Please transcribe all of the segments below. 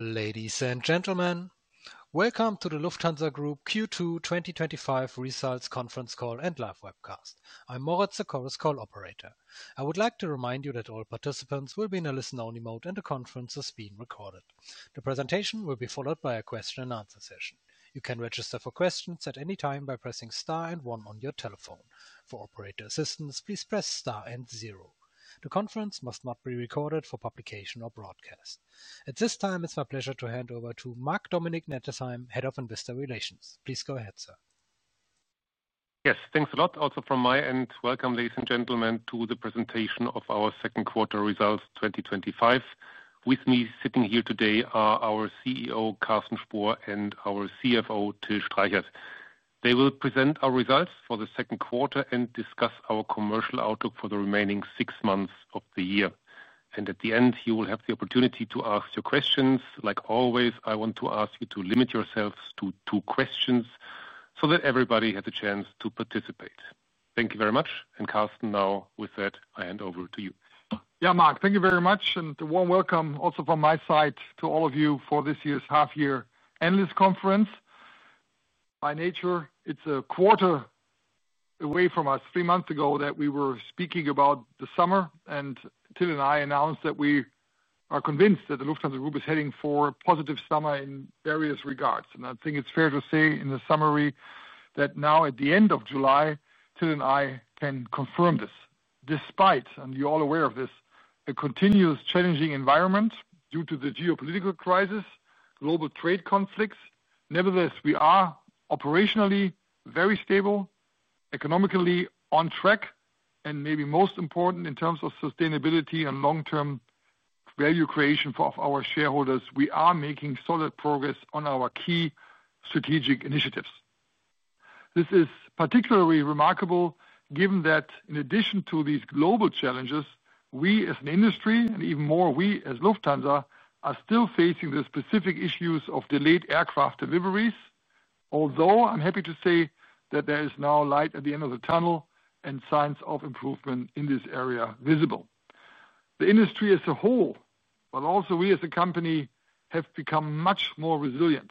Ladies and gentlemen, welcome to the Lufthansa Group Q2 2025 Results Conference Call and Live Webcast. I'm Moritz, the call's call operator. I would like to remind you that all participants will be in a listen-only mode and the conference is being recorded. The presentation will be followed by a question-and-answer session. You can register for questions at any time by pressing star and one on your telephone. For operator assistance, please press star and zero. The conference must not be recorded for publication or broadcast. At this time, it's my pleasure to hand over to Marc-Dominic Nettesheim, Head of Investor Relations. Please go ahead, sir. Yes, thanks a lot. Also from my end, welcome, ladies and gentlemen, to the presentation of our second quarter results 2025. With me sitting here today are our CEO, Carsten Spohr, and our CFO, Till Streichert. They will present our results for the second quarter and discuss our commercial outlook for the remaining six months of the year. At the end, you will have the opportunity to ask your questions. Like always, I want to ask you to limit yourselves to two questions so that everybody has a chance to participate. Thank you very much. Carsten, now with that, I hand over to you. Yeah, Marc, thank you very much. A warm welcome also from my side to all of you for this year's half-year annuals conference. By nature, it's a quarter. Three months ago, we were speaking about the summer. Till and I announced that we are convinced that the Lufthansa Group is heading for a positive summer in various regards. I think it's fair to say in the summary that now, at the end of July, Till and I can confirm this, despite, and you're all aware of this, a continuous challenging environment due to the geopolitical crisis and global trade conflicts. Nevertheless, we are operationally very stable, economically on track, and maybe most important in terms of sustainability and long-term value creation for our shareholders, we are making solid progress on our key strategic initiatives. This is particularly remarkable given that, in addition to these global challenges, we as an industry, and even more we as Lufthansa, are still facing the specific issues of delayed aircraft deliveries, although I'm happy to say that there is now light at the end of the tunnel and signs of improvement in this area visible. The industry as a whole, but also we as a company, have become much more resilient.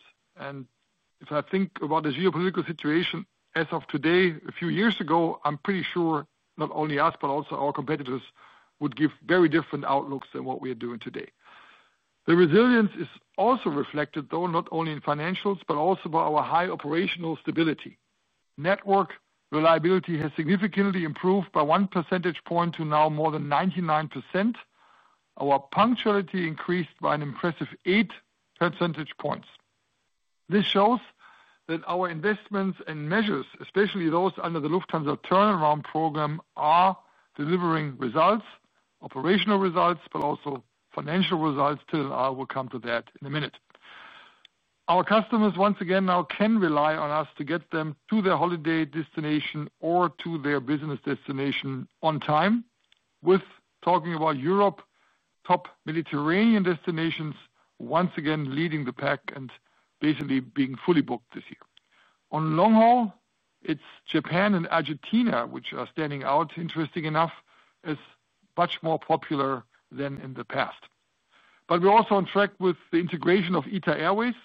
If I think about the geopolitical situation as of today, a few years ago, I'm pretty sure not only us, but also our competitors would give very different outlooks than what we are doing today. The resilience is also reflected, though not only in financials, but also by our high operational stability. Network reliability has significantly improved by 1% to now more than 99%. Our punctuality increased by an impressive 8%. This shows that our investments and measures, especially those under the Lufthansa Turnaround Program, are delivering results, operational results, but also financial results. Till and I will come to that in a minute. Our customers, once again, now can rely on us to get them to their Holiday destination or to their Business destination on time, with Europe, top Mediterranean destinations once again leading the pack and basically being fully booked this year. On the long haul, it's Japan and Argentina, which are standing out, interesting enough, as much more popular than in the past. We're also on track with the integration of ITA Airways.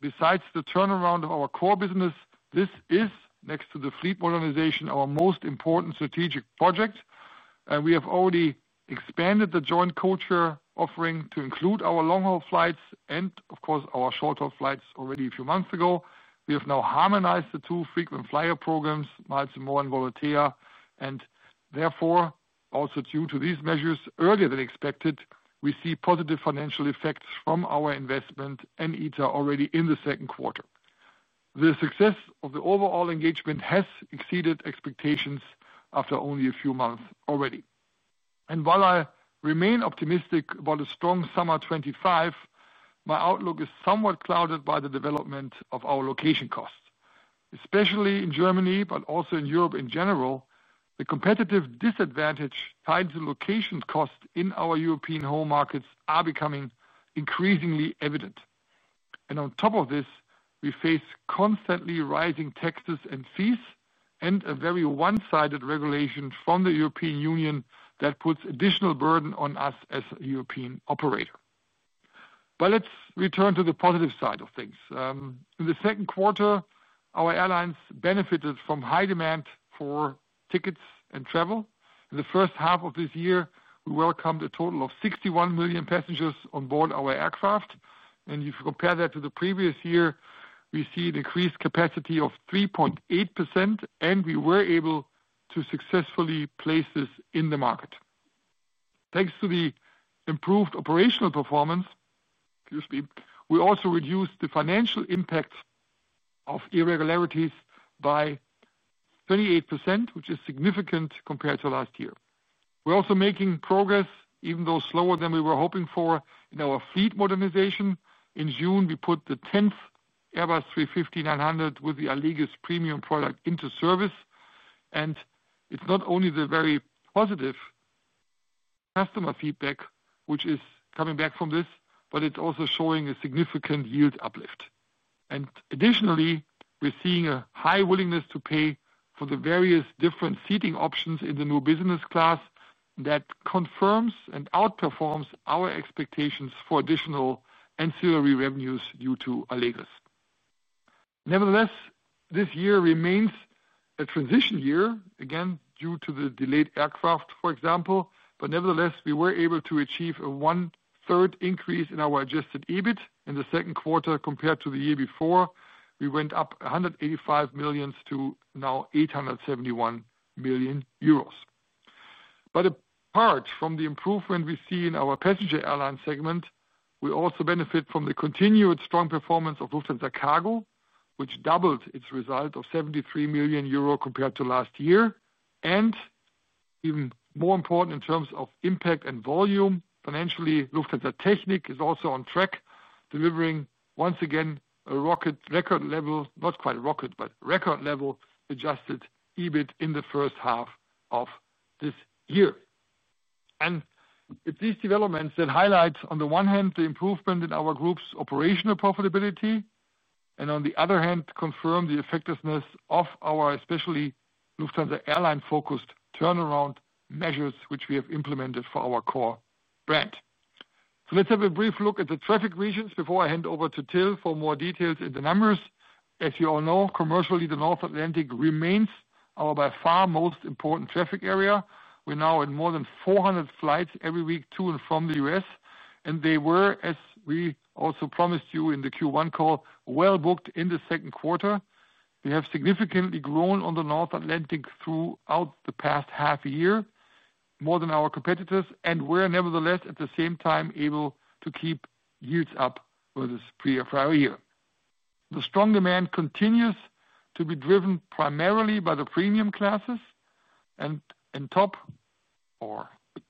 Besides the turnaround of our core business, this is, next to the fleet modernization, our most important strategic project. We have already expanded the joint culture offering to include our long-haul flights and, of course, our short-haul flights already a few months ago. We have now harmonized the two frequent flyer programs, Miles & More and Volare. Therefore, also due to these measures, earlier than expected, we see positive financial effects from our investment in ITA Airways already in the second quarter. The success of the overall engagement has exceeded expectations after only a few months already. While I remain optimistic about a strong summer 2025, my outlook is somewhat clouded by the development of our location costs, especially in Germany, but also in Europe in general. The competitive disadvantage tied to location costs in our European home markets is becoming increasingly evident. On top of this, we face constantly rising taxes and fees and a very one-sided regulation from the European Union that puts an additional burden on us as a European operator. Let's return to the positive side of things. In the second quarter, our Airlines benefited from high demand for tickets and travel. In the first half of this year, we welcomed a total of 61 million passengers on board our aircraft. If you compare that to the previous year, we see an increased capacity of 3.8%, and we were able to successfully place this in the market. Thanks to the improved operational performance, we also reduced the financial impact of irregularities by 38%, which is significant compared to last year. We're also making progress, even though slower than we were hoping for, in our fleet modernization. In June, we put the 10th Airbus A350-900 with the Allegris premium product into service. It's not only the very positive customer feedback, which is coming back from this, but it's also showing a significant yield uplift. Additionally, we're seeing a high willingness to pay for the various different seating options in the new Business class that confirms and outperforms our expectations for additional ancillary revenues due to Allegris. Nevertheless, this year remains a transition year, again, due to the delayed aircraft, for example. Nevertheless, we were able to achieve a one-third increase in our adjusted EBIT in the second quarter compared to the year before. We went up 185 million to now 871 million euros. Apart from the improvement we see in our Passenger Airline segment, we also benefit from the continued strong performance of Lufthansa Cargo, which doubled its result to 73 million euro compared to last year. Even more important in terms of impact and volume financially, Lufthansa Technik is also on track, delivering once again a record level, not quite a record, but record level adjusted EBIT in the first half of this year. These developments highlight, on the one hand, the improvement in our group's operational profitability and, on the other hand, confirm the effectiveness of our, especially Lufthansa Airlines-focused turnaround measures, which we have implemented for our core brand. Let's have a brief look at the traffic regions before I hand over to Till for more details in the numbers. As you all know, commercially, the North Atlantic remains our by far most important traffic area. We're now at more than 400 flights every week to and from the U.S., and they were, as we also promised you in the Q1 call, well booked in the second quarter. We have significantly grown on the North Atlantic throughout the past half a year, more than our competitors, and we're nevertheless, at the same time, able to keep yields up for this prior year. The strong demand continues to be driven primarily by the premium classes.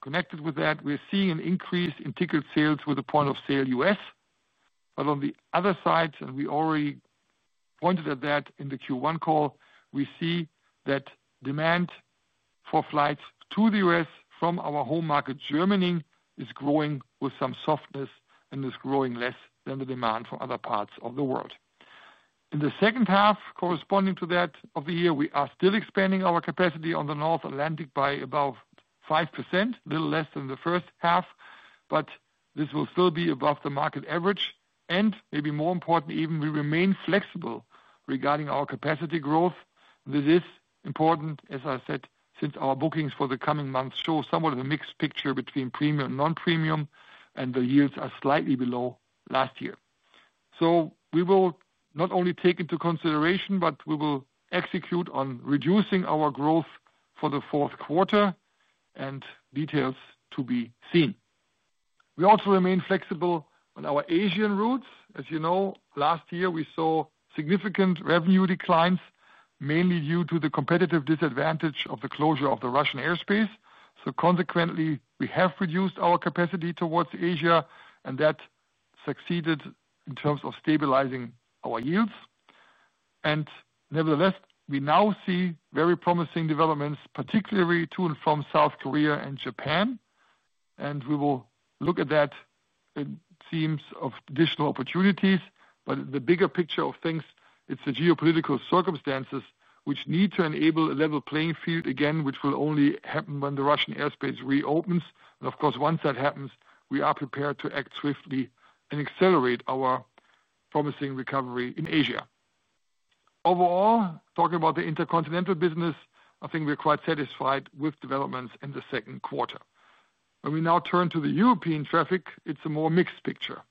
Connected with that, we're seeing an increase in ticket sales with a point of sale U.S. On the other side, and we already pointed at that in the Q1 call, we see that demand for flights to the U.S. from our home market, Germany, is growing with some softness and is growing less than the demand from other parts of the world. In the second half of the year, corresponding to that, we are still expanding our capacity on the North Atlantic by about 5%, a little less than the first half, but this will still be above the market average. Maybe more important even, we remain flexible regarding our capacity growth. This is important, as I said, since our bookings for the coming months show somewhat of a mixed picture between premium and non-premium, and the yields are slightly below last year. We will not only take into consideration, but we will execute on reducing our growth for the fourth quarter, and details to be seen. We also remain flexible on our Asian routes. As you know, last year, we saw significant revenue declines, mainly due to the competitive disadvantage of the closure of the Russian airspace. Consequently, we have reduced our capacity towards Asia, and that succeeded in terms of stabilizing our yields. Nevertheless, we now see very promising developments, particularly to and from South Korea and Japan. We will look at that in terms of additional opportunities. The bigger picture of things is the geopolitical circumstances, which need to enable a level playing field again, which will only happen when the Russian airspace reopens. Of course, once that happens, we are prepared to act swiftly and accelerate our promising recovery in Asia. Overall, talking about the intercontinental business, I think we're quite satisfied with developments in the second quarter. When we now turn to the European traffic, it's a more mixed picture.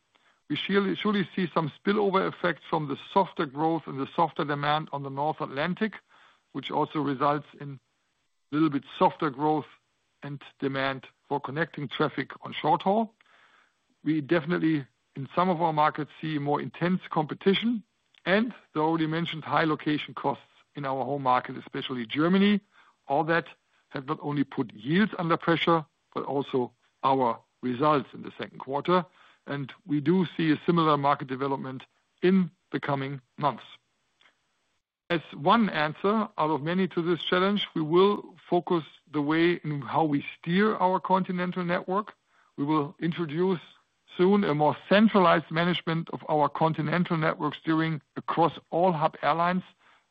We surely see some spillover effects from the softer growth and the softer demand on the North Atlantic, which also results in a little bit softer growth and demand for connecting traffic on short haul. We definitely, in some of our markets, see more intense competition. The already mentioned high location costs in our home market, especially Germany, all that have not only put yields under pressure, but also our results in the second quarter. We do see a similar market development in the coming months. As one answer out of many to this challenge, we will focus the way in how we steer our continental network. We will introduce soon a more centralized management of our continental network steering across all hub airlines,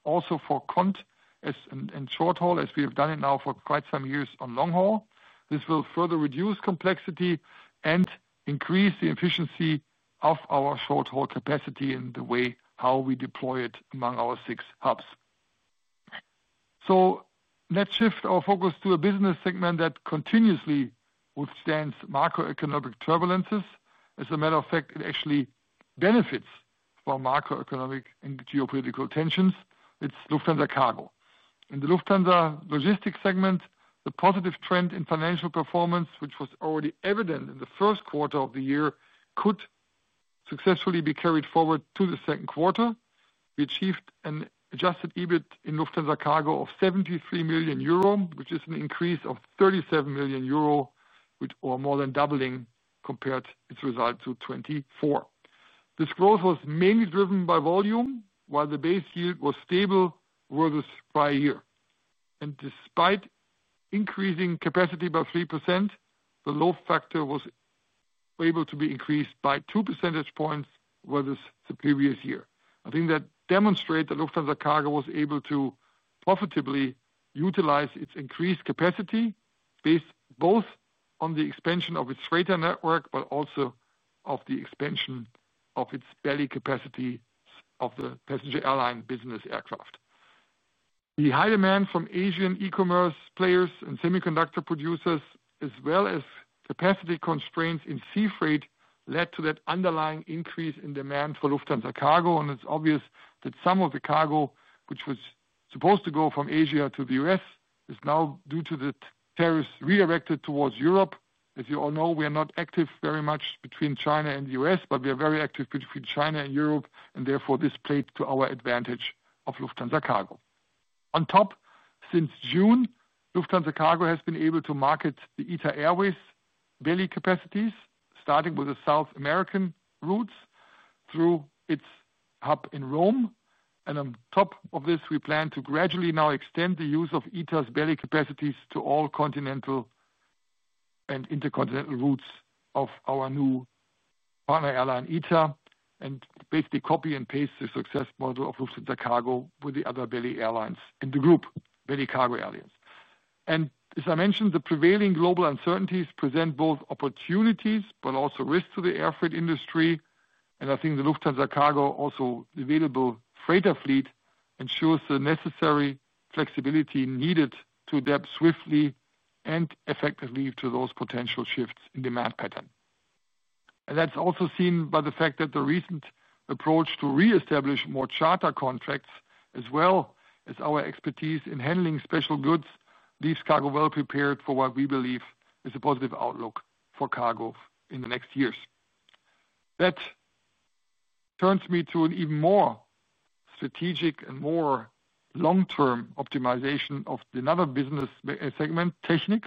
also for continental, as in short haul, as we have done it now for quite some years on long haul. This will further reduce complexity and increase the efficiency of our short haul capacity in the way how we deploy it among our six hubs. Let's shift our focus to a business segment that continuously withstands macroeconomic turbulences. As a matter of fact, it actually benefits from macroeconomic and geopolitical tensions. It's Lufthansa Cargo. In the Lufthansa logistics segment, the positive trend in financial performance, which was already evident in the first quarter of the year, could successfully be carried forward to the second quarter. We achieved an adjusted EBIT in Lufthansa Cargo of 73 million euro, which is an increase of 37 million euro, or more than doubling compared to its result in 2024. This growth was mainly driven by volume, while the base yield was stable versus prior year. Despite increasing capacity by 3%, the load factor was. Able to be increased by 2% versus the previous year. I think that demonstrates that Lufthansa Cargo was able to profitably utilize its increased capacity based both on the expansion of its freighter network, but also the expansion of its belly capacity of the Passenger Airline business aircraft. The high demand from Asian e-commerce players and semiconductor producers, as well as capacity constraints in sea freight, led to that underlying increase in demand for Lufthansa Cargo. It is obvious that some of the Cargo, which was supposed to go from Asia to the U.S., is now due to the tariffs redirected towards Europe. As you all know, we are not active very much between China and the U.S., but we are very active between China and Europe, and therefore this played to our advantage at Lufthansa Cargo. On top, since June, Lufthansa Cargo has been able to market the ITA Airways belly capacities, starting with the South American routes through its hub in Rome. On top of this, we plan to gradually now extend the use of ITA's belly capacities to all continental and Intercontinental routes of our new partner airline, ITA, and basically copy and paste the success model of Lufthansa Cargo with the other belly Cargo airlines in the group. As I mentioned, the prevailing global uncertainties present both opportunities but also risks to the airfreight industry. I think the Lufthansa Cargo available freighter fleet ensures the necessary flexibility needed to adapt swiftly and effectively to those potential shifts in demand pattern. That is also seen by the fact that the recent approach to reestablish more charter contracts, as well as our expertise in handling special goods, leaves Cargo well prepared for what we believe is a positive outlook for Cargo in the next years. That turns me to an even more strategic and more long-term optimization of another business segment, Technik,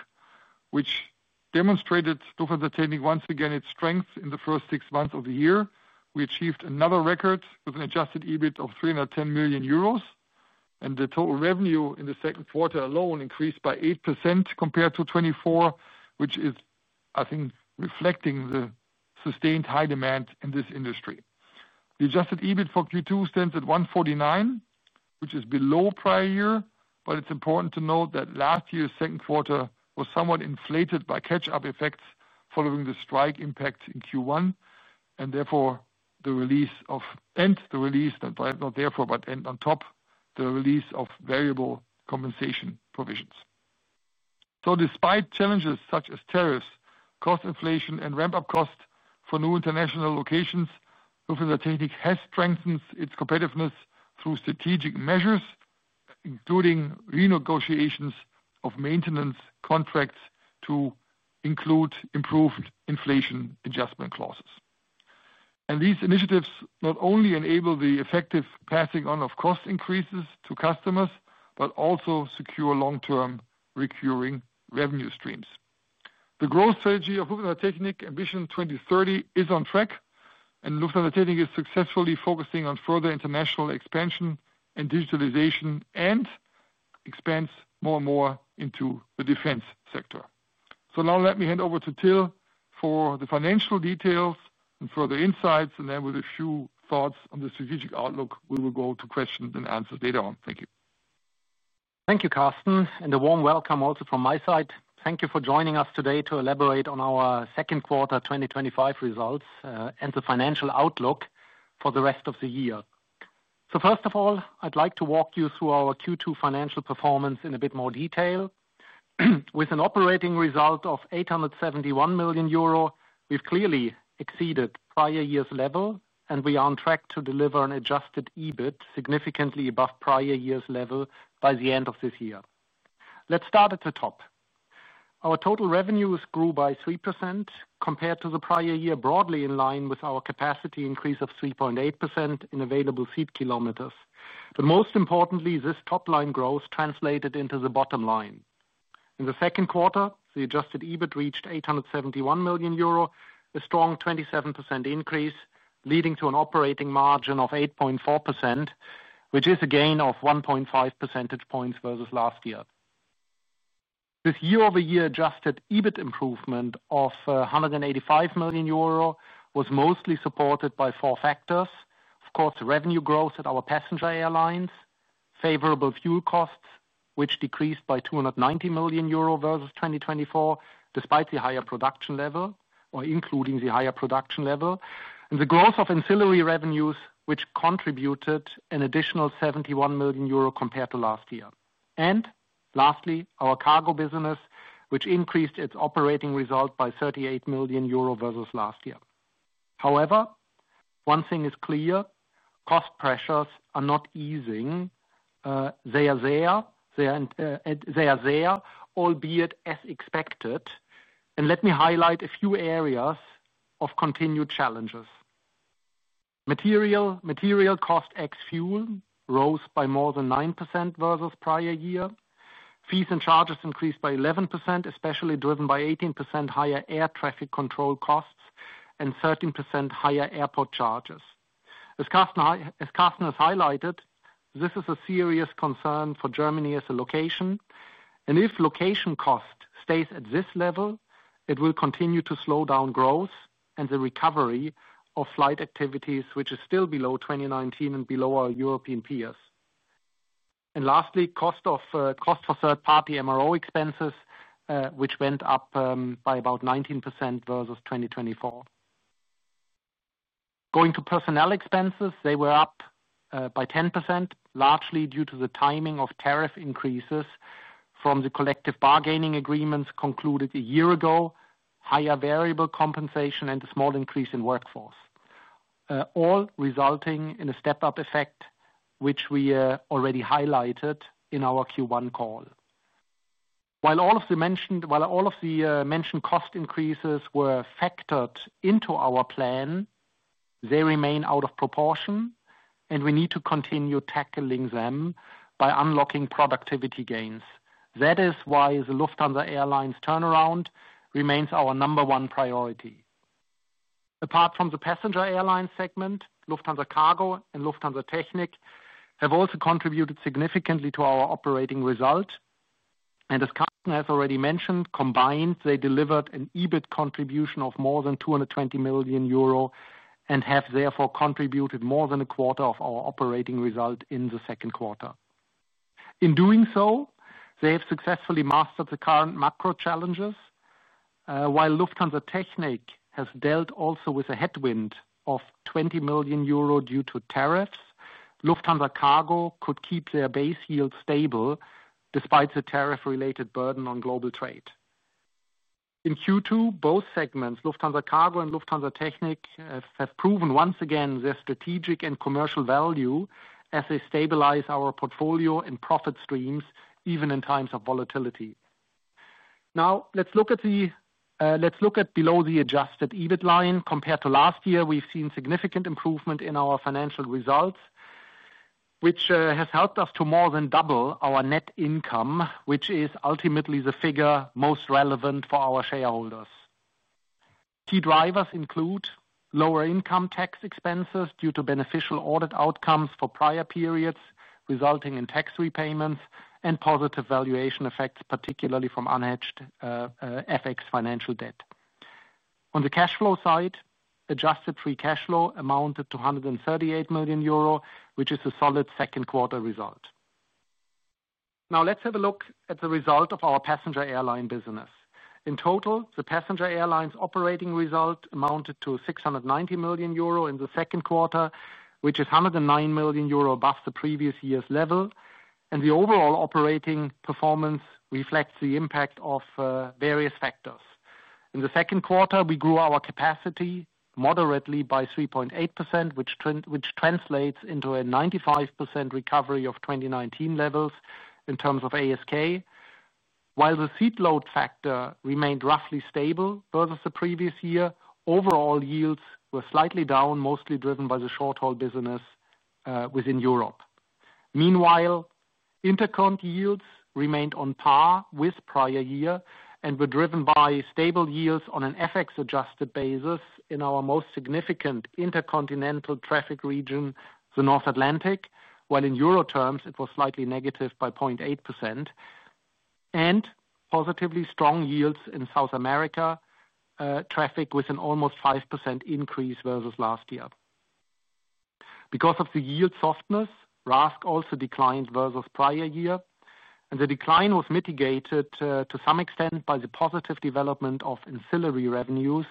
which demonstrated Lufthansa Technik once again its strength in the first six months of the year. We achieved another record with an adjusted EBIT of 310 million euros, and the total revenue in the second quarter alone increased by 8% compared to 2024, which is, I think, reflecting the sustained high demand in this industry. The adjusted EBIT for Q2 stands at 149 million, which is below prior year. It's important to note that last year's second quarter was somewhat inflated by catch-up effects following the strike impact in Q1, and on top, the release of variable compensation provisions. Despite challenges such as tariffs, cost inflation, and ramp-up cost for new international locations, Lufthansa Technik has strengthened its competitiveness through strategic measures, including renegotiations of maintenance contracts to include improved inflation adjustment clauses. These initiatives not only enable the effective passing on of cost increases to customers, but also secure long-term recurring revenue streams. The growth strategy of Lufthansa Technik, Ambition 2030, is on track, and Lufthansa Technik is successfully focusing on further international expansion and digitalization and expands more and more into the defense sector. Now let me hand over to Till for the financial details and further insights, and then with a few thoughts on the strategic outlook, we will go to questions and answers later on. Thank you. Thank you, Carsten, and a warm welcome also from my side. Thank you for joining us today to elaborate on our second quarter 2025 results and the financial outlook for the rest of the year. First of all, I'd like to walk you through our Q2 financial performance in a bit more detail. With an operating result of 871 million euro, we've clearly exceeded prior year's level, and we are on track to deliver an adjusted EBIT significantly above prior year's level by the end of this year. Let's start at the top. Our total revenues grew by 3% compared to the prior year, broadly in line with our capacity increase of 3.8% in available seat kilometers. Most importantly, this top-line growth translated into the bottom line. In the second quarter, the adjusted EBIT reached 871 million euro, a strong 27% increase, leading to an operating margin of 8.4%, which is a gain of 1.5 percentage points versus last year. This year-over-year adjusted EBIT improvement of 185 million euro was mostly supported by four factors. Of course, revenue growth at our Passenger Airlines, favorable fuel costs, which decreased by 290 million euro versus 2024, despite the higher production level, or including the higher production level, and the growth of ancillary revenues, which contributed an additional 71 million euro compared to last year. Lastly, our Cargo business increased its operating result by 38 million euro versus last year. However, one thing is clear cost pressures are not easing. They are there, albeit as expected. Let me highlight a few areas of continued challenges. Material cost excluding fuel rose by more than 9% versus prior year. Fees and charges increased by 11%, especially driven by 18% higher air traffic control costs and 13% higher airport charges. As Carsten has highlighted, this is a serious concern for Germany as a location. If location cost stays at this level, it will continue to slow down growth and the recovery of flight activities, which is still below 2019 and below our European peers. Lastly, cost for third-party MRO expenses went up by about 19% versus 2023. Going to personnel expenses, they were up by 10%, largely due to the timing of tariff increases from the collective bargaining agreements concluded a year ago, higher variable compensation, and a small increase in workforce. All resulting in a step-up effect, which we already highlighted in our Q1 call. While all of the mentioned cost increases were factored into our plan, they remain out of proportion, and we need to continue tackling them by unlocking productivity gains. That is why the Lufthansa Airlines turnaround remains our number one priority. Apart from the passenger airline segment, Lufthansa Cargo and Lufthansa Technik have also contributed significantly to our operating result. As Carsten has already mentioned, combined, they delivered an EBIT contribution of more than 220 million euro and have therefore contributed more than a quarter of our operating result in the second quarter. In doing so, they have successfully mastered the current macro challenges. While Lufthansa Technik has dealt also with a headwind of 20 million euro due to tariffs, Lufthansa Cargo could keep their base yield stable despite the tariff-related burden on global trade. In Q2, both segments, Lufthansa Cargo and Lufthansa Technik, have proven once again their strategic and commercial value as they stabilize our portfolio and profit streams even in times of volatility. Now, let's look at below the adjusted EBIT line. Compared to last year, we've seen significant improvement in our financial results, which has helped us to more than double our net income, which is ultimately the figure most relevant for our shareholders. Key drivers include lower income tax expenses due to beneficial audit outcomes for prior periods, resulting in tax repayments and positive valuation effects, particularly from unhedged FX financial debt. On the cash flow side, adjusted free cash flow amounted to 138 million euro, which is a solid second-quarter result. Now, let's have a look at the result of our Passenger Airline business. In total, the Passenger Airlines operating result amounted to 690 million euro in the second quarter, which is 109 million euro above the previous year's level. The overall operating performance reflects the impact of various factors. In the second quarter, we grew our capacity moderately by 3.8%, which translates into a 95% recovery of 2019 levels in terms of ASK. While the seat load factor remained roughly stable versus the previous year, overall yields were slightly down, mostly driven by the short-haul business within Europe. Meanwhile, intercon yields remained on par with prior year and were driven by stable yields on an FX-adjusted basis in our most significant Intercontinental traffic region, the North Atlantic, while in euro terms, it was slightly negative by 0.8%, and positively strong yields in South America traffic with an almost 5% increase versus last year. Because of the yield softness, RASK also declined versus prior year, and the decline was mitigated to some extent by the positive development of ancillary revenues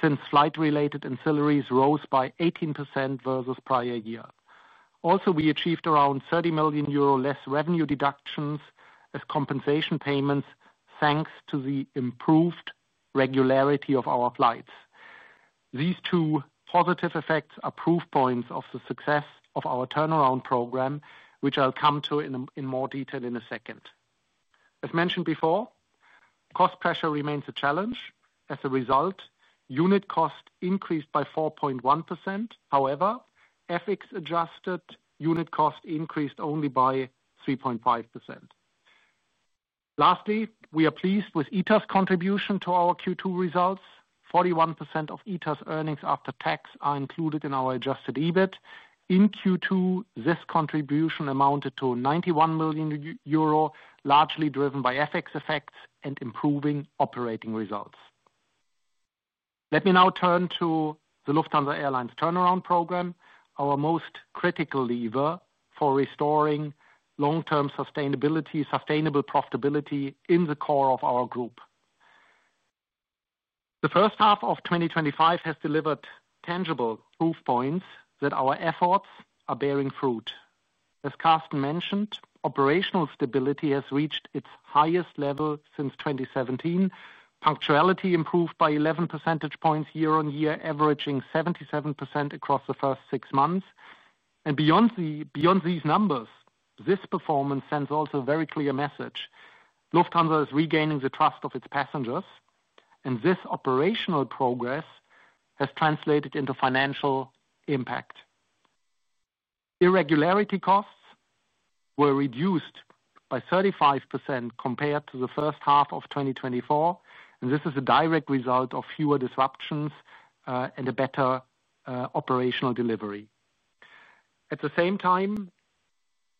since flight-related ancillaries rose by 18% versus prior year. Also, we achieved around 30 million euro less revenue deductions as compensation payments, thanks to the improved regularity of our flights. These two positive effects are proof points of the success of our turnaround program, which I'll come to in more detail in a second. As mentioned before, cost pressure remains a challenge. As a result, unit cost increased by 4.1%. However, FX-adjusted unit cost increased only by 3.5%. Lastly, we are pleased with ITA Airways' contribution to our Q2 results. 41% of ITA Airways' earnings after tax are included in our adjusted EBIT. In Q2, this contribution amounted to 91 million euro, largely driven by FX effects and improving operating results. Let me now turn to the Lufthansa Airlines turnaround program, our most critical lever for restoring long-term sustainable profitability in the core of our group. The first half of 2025 has delivered tangible proof points that our efforts are bearing fruit. As Carsten mentioned, operational stability has reached its highest level since 2017. Punctuality improved by 11 percentage points year-on-year, averaging 77% across the first six months. Beyond these numbers, this performance sends also a very clear message. Lufthansa is regaining the trust of its passengers, and this operational progress has translated into financial impact. Irregularity costs were reduced by 35% compared to the first half of 2024, and this is a direct result of fewer disruptions and a better operational delivery. At the same time,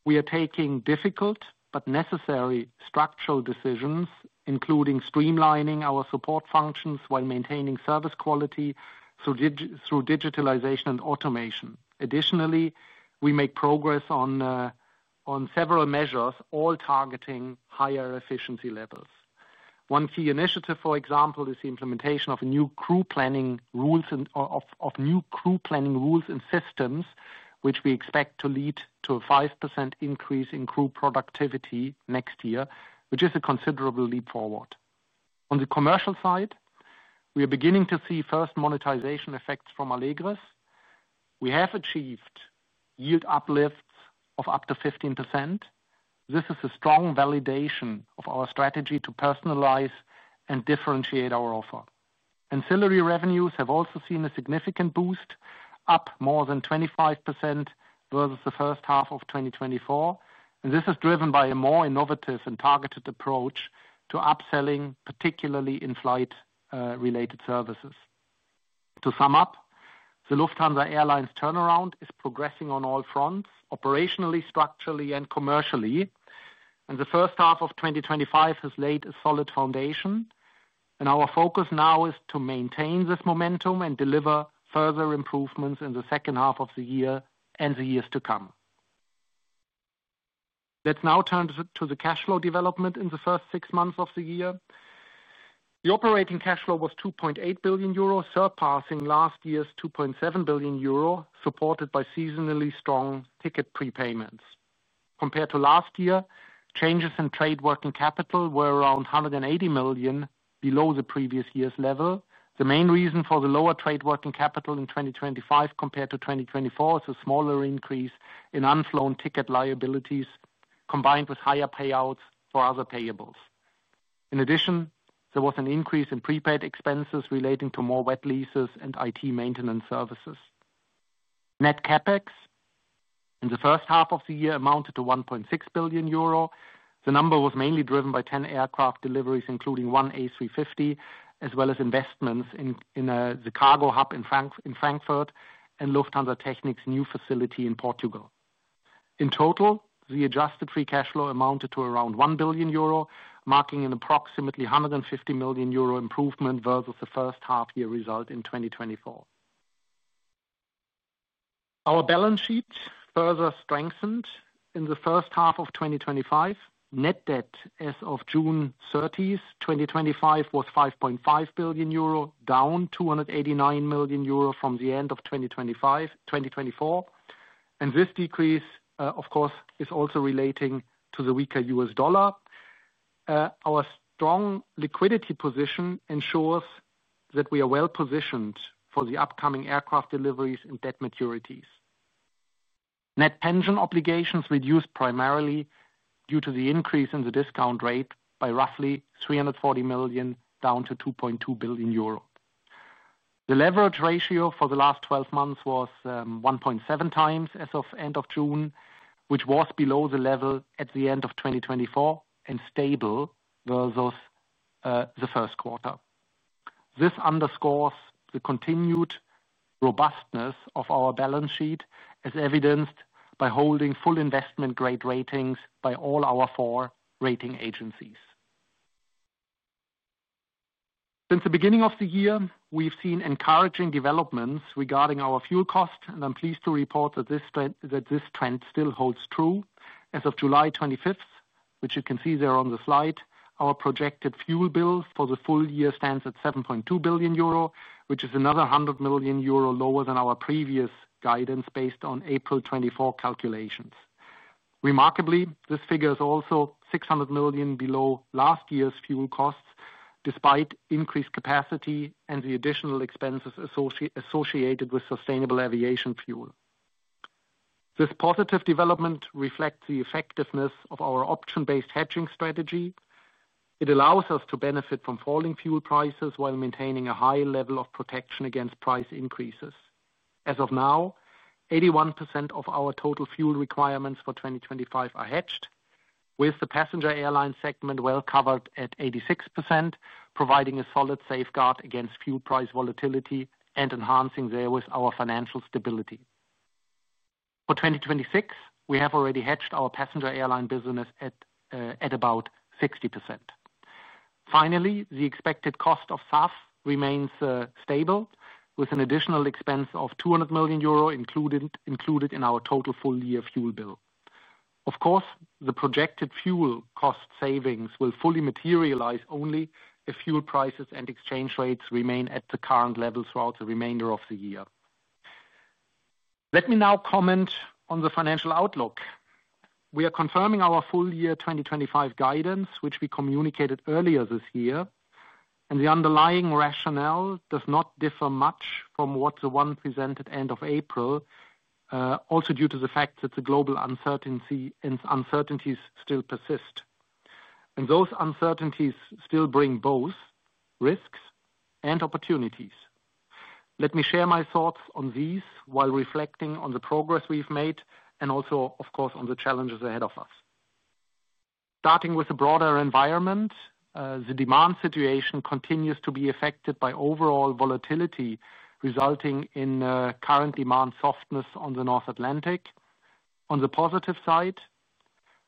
we are taking difficult but necessary structural decisions, including streamlining our support functions while maintaining service quality through digitalization and automation. Additionally, we make progress on several measures all targeting higher efficiency levels. One key initiative, for example, is the implementation of new crew planning rules and systems, which we expect to lead to a 5% increase in crew productivity next year, which is a considerable leap forward. On the commercial side, we are beginning to see first monetization effects from Allegris. We have achieved yield uplifts of up to 15%. This is a strong validation of our strategy to personalize and differentiate our offer. Ancillary revenues have also seen a significant boost, up more than 25% versus the first half of 2024, and this is driven by a more innovative and targeted approach to upselling, particularly in flight-related services. To sum up, the Lufthansa Airlines turnaround is progressing on all fronts, operationally, structurally, and commercially, and the first half of 2025 has laid a solid foundation. Our focus now is to maintain this momentum and deliver further improvements in the second half of the year and the years to come. Let's now turn to the cash flow development in the first six months of the year. The operating cash flow was 2.8 billion euro, surpassing last year's 2.7 billion euro, supported by seasonally strong ticket prepayments. Compared to last year, changes in trade working capital were around 180 million below the previous year's level. The main reason for the lower trade working capital in 2025 compared to 2024 is a smaller increase in unflown ticket liabilities combined with higher payouts for other payables. In addition, there was an increase in prepaid expenses relating to more wet leases and IT maintenance services. Net CapEx in the first half of the year amounted to 1.6 billion euro. The number was mainly driven by 10 aircraft deliveries, including one A350, as well as investments in the Cargo hub in Frankfurt and Lufthansa Technik's new facility in Portugal. In total, the adjusted free cash flow amounted to around 1 billion euro, marking an approximately 150 million euro improvement versus the first half-year result in 2024. Our balance sheet further strengthened in the first half of 2025. Net debt as of June 30th, 2025, was 5.5 billion euro, down 289 million euro from the end of 2024. This decrease, of course, is also relating to the weaker U.S. dollar. Our strong liquidity position ensures that we are well positioned for the upcoming aircraft deliveries and debt maturities. Net pension obligations reduced primarily due to the increase in the discount rate by roughly 340 million, down to 2.2 billion euro. The leverage ratio for the last 12 months was 1.7 times as of end of June, which was below the level at the end of 2024 and stable versus the first quarter. This underscores the continued robustness of our balance sheet, as evidenced by holding full investment-grade ratings by all our four rating agencies. Since the beginning of the year, we've seen encouraging developments regarding our fuel cost, and I'm pleased to report that this trend still holds true. As of July 25, which you can see there on the slide, our projected fuel bill for the full year stands at 7.2 billion euro, which is another 100 million euro lower than our previous guidance based on April 24 calculations. Remarkably, this figure is also 600 million below last year's fuel costs, despite increased capacity and the additional expenses associated with sustainable aviation fuel. This positive development reflects the effectiveness of our option-based hedging strategy. It allows us to benefit from falling fuel prices while maintaining a high level of protection against price increases. As of now, 81% of our total fuel requirements for 2025 are hedged, with the Passenger Airline segment well covered at 86%, providing a solid safeguard against fuel price volatility and enhancing therewith our financial stability. For 2026, we have already hedged our Passenger Airline business at about 60%. Finally, the expected cost of SAF remains stable, with an additional expense of 200 million euro included in our total full-year fuel bill. Of course, the projected fuel cost savings will fully materialize only if fuel prices and exchange rates remain at the current level throughout the remainder of the year. Let me now comment on the financial outlook. We are confirming our full-year 2025 guidance, which we communicated earlier this year, and the underlying rationale does not differ much from the one presented at the end of April, also due to the fact that the global uncertainties still persist. Those uncertainties still bring both risks and opportunities. Let me share my thoughts on these while reflecting on the progress we've made and also, of course, on the challenges ahead of us. Starting with the broader environment, the demand situation continues to be affected by overall volatility, resulting in current demand softness on the North Atlantic. On the positive side,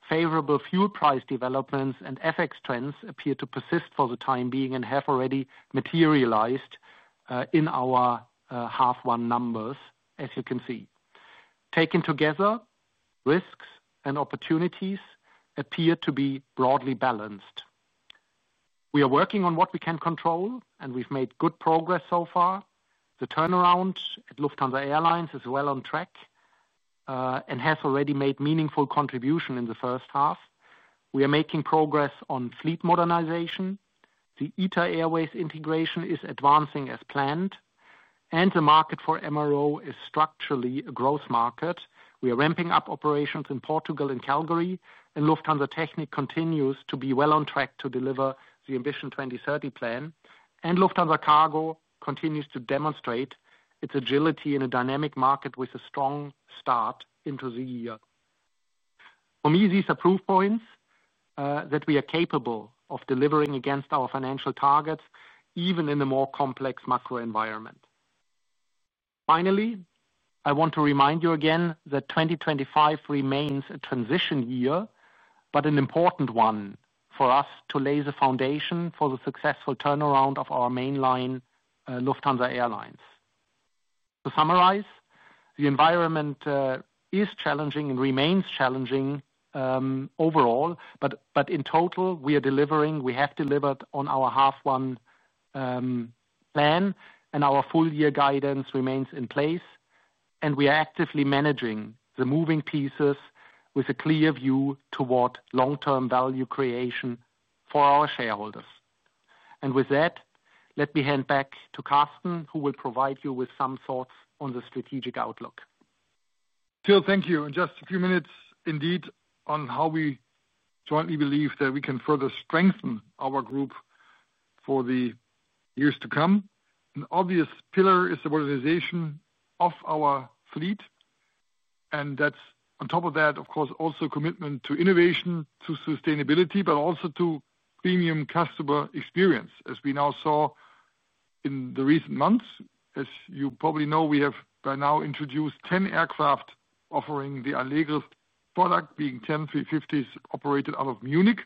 favorable fuel price developments and FX trends appear to persist for the time being and have already materialized in our half one numbers, as you can see. Taken together, risks and opportunities appear to be broadly balanced. We are working on what we can control, and we've made good progress so far. The turnaround at Lufthansa Airlines is well on track and has already made meaningful contribution in the first half. We are making progress on fleet modernization. The ITA Airways integration is advancing as planned, and the market for MRO is structurally a growth market. We are ramping up operations in Portugal and Calgary, and Lufthansa Technik continues to be well on track to deliver the Ambition 2030 plan, and Lufthansa Cargo continues to demonstrate its agility in a dynamic market with a strong start into the year. For me, these are proof points that we are capable of delivering against our financial targets, even in the more complex macro environment. Finally, I want to remind you again that 2025 remains a transition year, but an important one for us to lay the foundation for the successful turnaround of our mainline Lufthansa Airlines. To summarize, the environment is challenging and remains challenging overall, but in total, we have delivered on our half one plan, and our full-year guidance remains in place, and we are actively managing the moving pieces with a clear view toward long-term value creation for our shareholders. With that, let me hand back to Carsten, who will provide you with some thoughts on the strategic outlook. Still, thank you. Just a few minutes, indeed, on how we jointly believe that we can further strengthen our group for the years to come. An obvious pillar is the modernization of our fleet. On top of that, of course, also a commitment to innovation, to sustainability, but also to premium customer experience, as we now saw in the recent months. As you probably know, we have by now introduced 10 aircraft offering the Allegris product, being 10 A350s operated out of Munich,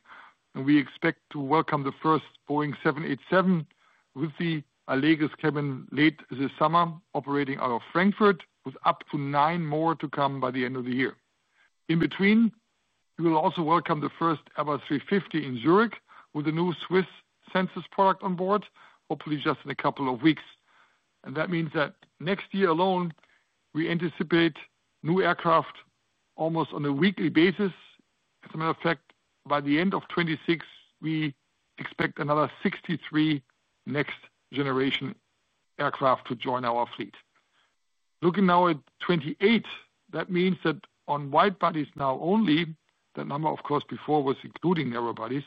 and we expect to welcome the first Boeing 787 with the Allegris cabin late this summer, operating out of Frankfurt, with up to nine more to come by the end of the year. In between, we will also welcome the first Airbus A350 in Zurich with a new Swiss Sensus product on board, hopefully just in a couple of weeks. That means that next year alone, we anticipate new aircraft almost on a weekly basis. As a matter of fact, by the end of 2026, we expect another 63 next-generation aircraft to join our fleet. Looking now at 2028, that means that on wide bodies only, that number, of course, before was including narrow bodies.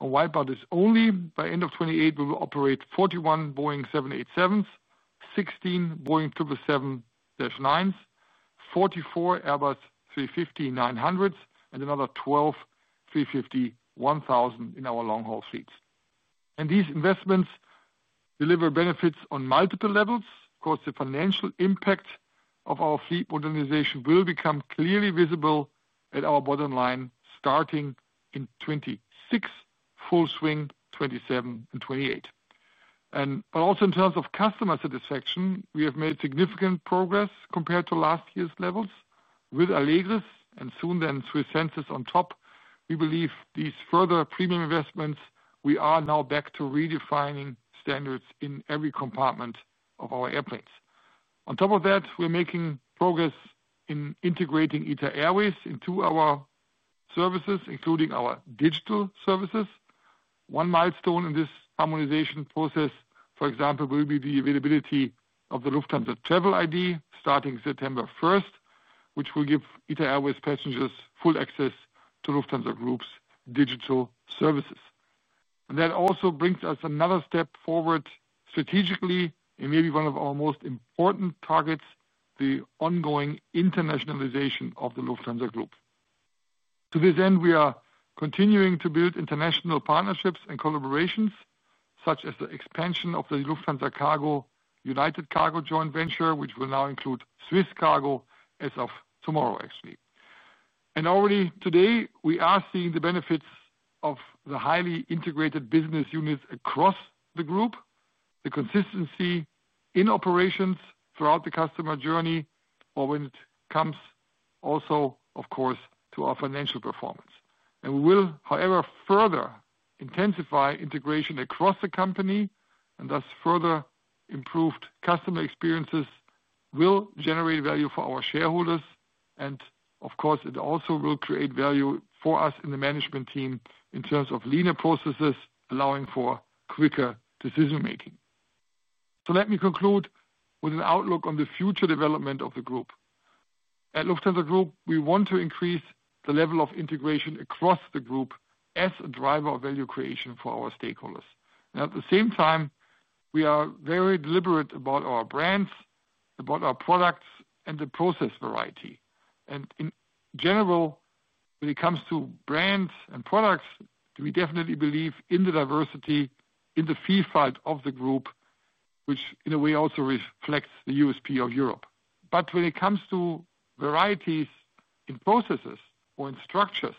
On wide bodies only, by end of 2028, we will operate 41 Boeing 787s, 16 Boeing 777-9s, 44 Airbus A350-900s, and another 12 A350-1000s in our long-haul fleets. These investments deliver benefits on multiple levels. Of course, the financial impact of our fleet modernization will become clearly visible at our bottom line starting in 2026, full swing 2027 and 2028. Also in terms of customer satisfaction, we have made significant progress compared to last year's levels with Allegris and soon then Swiss Sensus on top. We believe these further premium investments, we are now back to redefining standards in every compartment of our airplanes. On top of that, we're making progress in integrating ITA Airways into our services, including our digital services. One milestone in this harmonization process, for example, will be the availability of the Lufthansa Travel ID starting September 1st, which will give ITA Airways passengers full access to Lufthansa Group's digital services. That also brings us another step forward strategically in maybe one of our most important targets, the ongoing internationalization of the Lufthansa Group. To this end, we are continuing to build international partnerships and collaborations, such as the expansion of the Lufthansa Cargo United Cargo Joint Venture, which will now include Swiss Cargo as of tomorrow, actually. Already today, we are seeing the benefits of the highly integrated business units across the group, the consistency in operations throughout the customer journey, or when it comes also, of course, to our financial performance. We will, however, further intensify integration across the company, and thus further improved customer experiences will generate value for our shareholders, and of course, it also will create value for us in the management team in terms of leaner processes, allowing for quicker decision-making. Let me conclude with an outlook on the future development of the group. At Lufthansa Group, we want to increase the level of integration across the group as a driver of value creation for our stakeholders. At the same time, we are very deliberate about our brands, about our products, and the process variety. In general, when it comes to brands and products, we definitely believe in the diversity, in the feel fight of the group, which in a way also reflects the USP of Europe. When it comes to varieties in processes or in structures,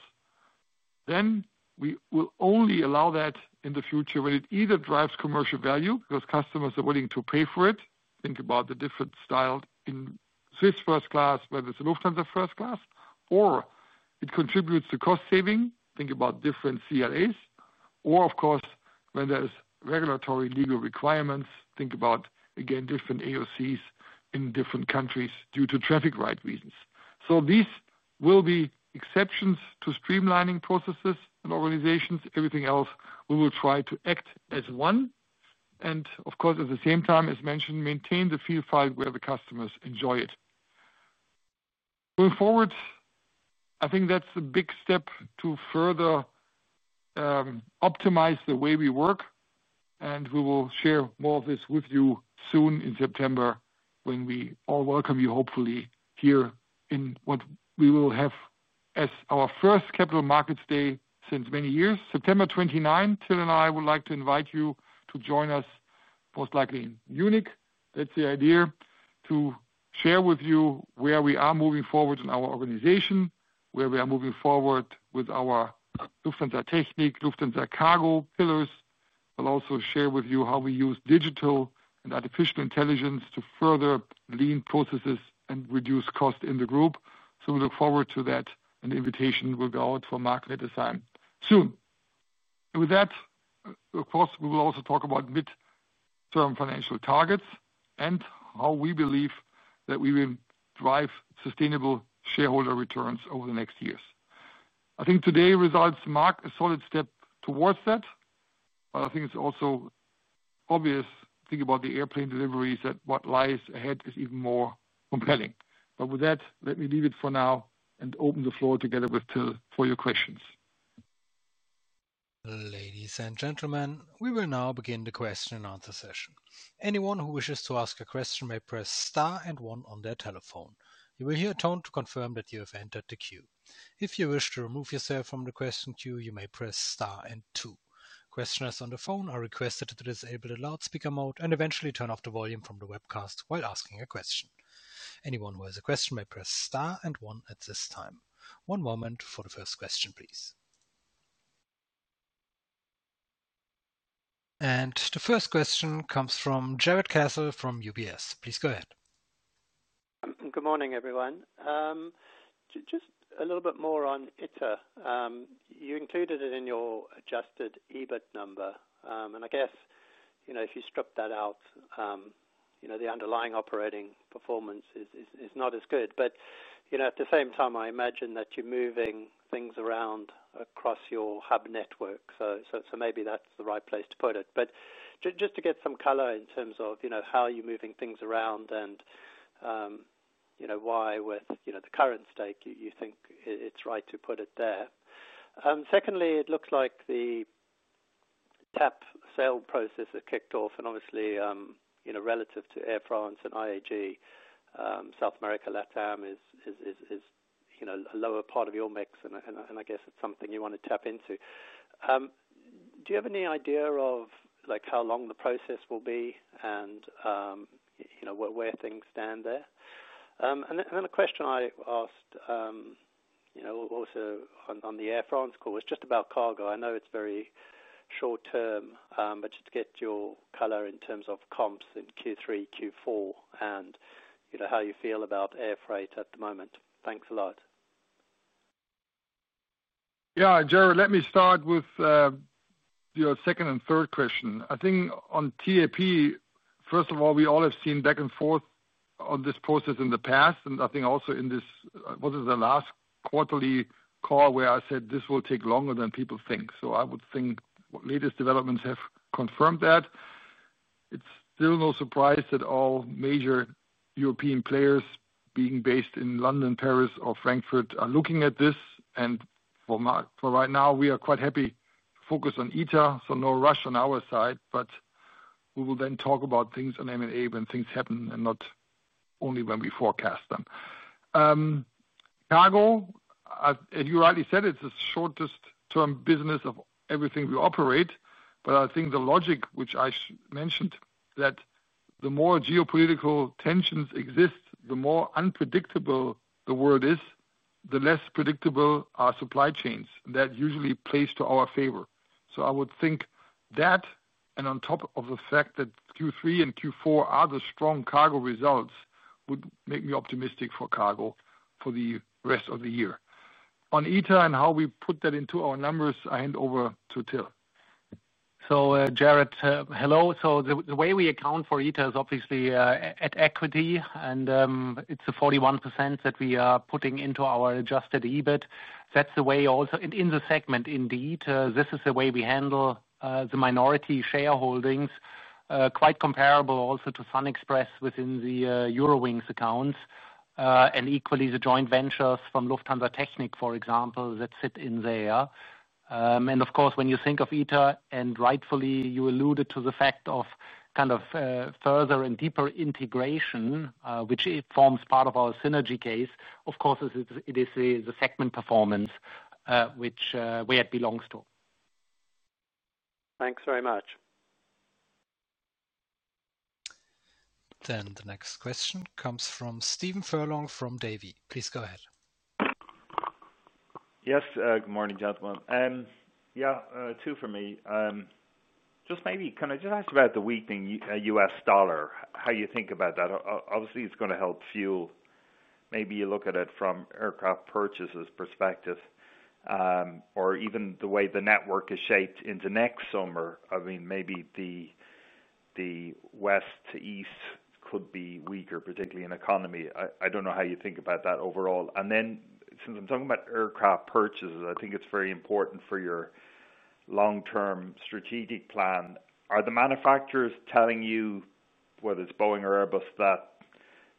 we will only allow that in the future when it either drives commercial value because customers are willing to pay for it. Think about the different styles in Swiss first class, whether it's a Lufthansa first class, or it contributes to cost saving. Think about different CLAs, or, of course, when there are regulatory legal requirements. Think about, again, different AOCs in different countries due to traffic right reasons. These will be exceptions to streamlining processes and organizations. Everything else, we will try to act as one. At the same time, as mentioned, maintain the feel fight where the customers enjoy it. Going forward, I think that's a big step to further optimize the way we work. We will share more of this with you soon in September when we all welcome you, hopefully, here in what we will have as our first Capital Markets Day since many years, September 29. Till and I would like to invite you to join us most likely in Munich. That's the idea to share with you where we are moving forward in our organization, where we are moving forward with our Lufthansa Technik, Lufthansa Cargo pillars, but also share with you how we use digital and artificial intelligence to further lean processes and reduce cost in the group. We look forward to that, and the invitation will go out for Marc-Dominic Nettesheim soon. With that. Of course, we will also talk about mid-term financial targets and how we believe that we will drive sustainable shareholder returns over the next years. I think today results mark a solid step towards that. I think it's also obvious thinking about the airplane deliveries that what lies ahead is even more compelling. With that, let me leave it for now and open the floor together with Till for your questions. Ladies and gentlemen, we will now begin the question and answer session. Anyone who wishes to ask a question may press star and one on their telephone. You will hear a tone to confirm that you have entered the queue. If you wish to remove yourself from the question queue, you may press star and two. Questioners on the phone are requested to disable the loudspeaker mode and eventually turn off the volume from the webcast while asking a question. Anyone who has a question may press star and one at this time. One moment for the first question, please. The first question comes from Jarrod Castle from UBS. Please go ahead. Good morning, everyone. Just a little bit more on ITA. You included it in your adjusted EBIT number, and I guess if you strip that out, the underlying operating performance is not as good. At the same time, I imagine that you're moving things around across your hub network, so maybe that's the right place to put it. Just to get some color in terms of how you're moving things around and why with the current stake, you think it's right to put it there. Secondly, it looks like the TAP sale process has kicked off, and obviously, relative to Air France and IAG, South America LATAM is a lower part of your mix, and I guess it's something you want to tap into. Do you have any idea of how long the process will be and where things stand there? A question I asked also on the Air France call was just about Cargo. I know it's very short term, but just to get your color in terms of comps in Q3, Q4, and how you feel about air freight at the moment. Thanks a lot. Yeah, Jarrod, let me start with your second and third question. I think on TAP, first of all, we all have seen back and forth on this process in the past, and I think also in this, what is the last quarterly call where I said this will take longer than people think. I would think latest developments have confirmed that. It's still no surprise that all major European players being based in London, Paris, or Frankfurt are looking at this. For right now, we are quite happy to focus on ITA, so no rush on our side. We will then talk about things on M&A when things happen and not only when we forecast them. Cargo, as you rightly said, is the shortest-term business of everything we operate. I think the logic, which I mentioned, that the more geopolitical tensions exist, the more unpredictable the world is, the less predictable our supply chains, and that usually plays to our favor. I would think that, and on top of the fact that Q3 and Q4 are the strong Cargo results, would make me optimistic for Cargo for the rest of the year. On ITA and how we put that into our numbers, I hand over to Till. Jared, hello. The way we account for ITA is obviously at equity, and it's the 41% that we are putting into our adjusted EBIT. That's the way also in the segment, indeed. This is the way we handle the minority shareholdings, quite comparable also to SunExpress within the Eurowings accounts. Equally, the joint ventures from Lufthansa Technik, for example, that sit in there. Of course, when you think of ITA, and rightfully, you alluded to the fact of kind of further and deeper integration, which forms part of our synergy case, it is the segment performance which it belongs to. Thanks very much. The next question comes from Stephen Furlong from Davy. Please go ahead. Yes, good morning, gentlemen. Two for me. Just maybe, can I just ask about the weakening U.S. dollar, how you think about that? Obviously, it's going to help fuel, maybe you look at it from aircraft purchases perspective. Or even the way the network is shaped into next summer. I mean, maybe the west to east could be weaker, particularly in economy. I don't know how you think about that overall. Since I'm talking about aircraft purchases, I think it's very important for your long-term strategic plan. Are the manufacturers telling you, whether it's Boeing or Airbus, that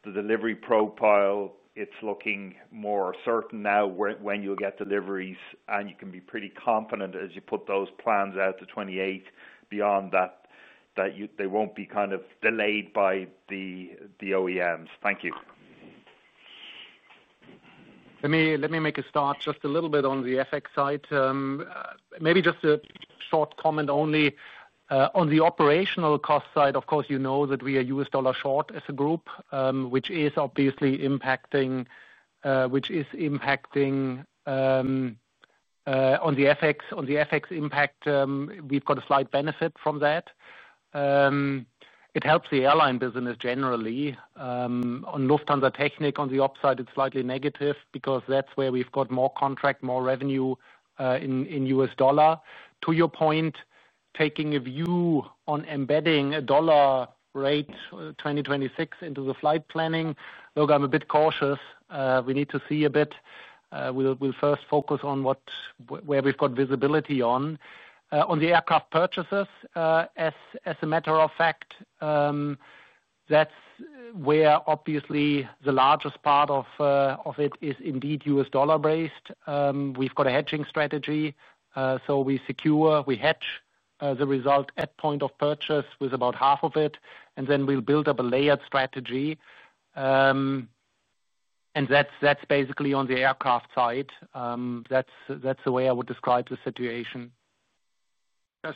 the delivery profile, it's looking more certain now when you'll get deliveries, and you can be pretty confident as you put those plans out to 2028 and beyond that. They won't be kind of delayed by the OEMs? Thank you. Let me make a start just a little bit on the FX side. Maybe just a short comment only. On the operational cost side, of course, you know that we are U.S. dollar short as a group, which is obviously impacting on the FX impact. We've got a slight benefit from that. It helps the airline business generally. On Lufthansa Technik, on the upside, it's slightly negative because that's where we've got more contract, more revenue. In U.S. dollar. To your point, taking a view on embedding a dollar rate 2026 into the flight planning, though I'm a bit cautious, we need to see a bit. We'll first focus on where we've got visibility on the aircraft purchases. As a matter of fact, that's where obviously the largest part of it is indeed U.S. dollar based. We've got a hedging strategy, so we secure, we hedge the result at point of purchase with about half of it, and then we'll build up a layered strategy. That's basically on the aircraft side. That's the way I would describe the situation.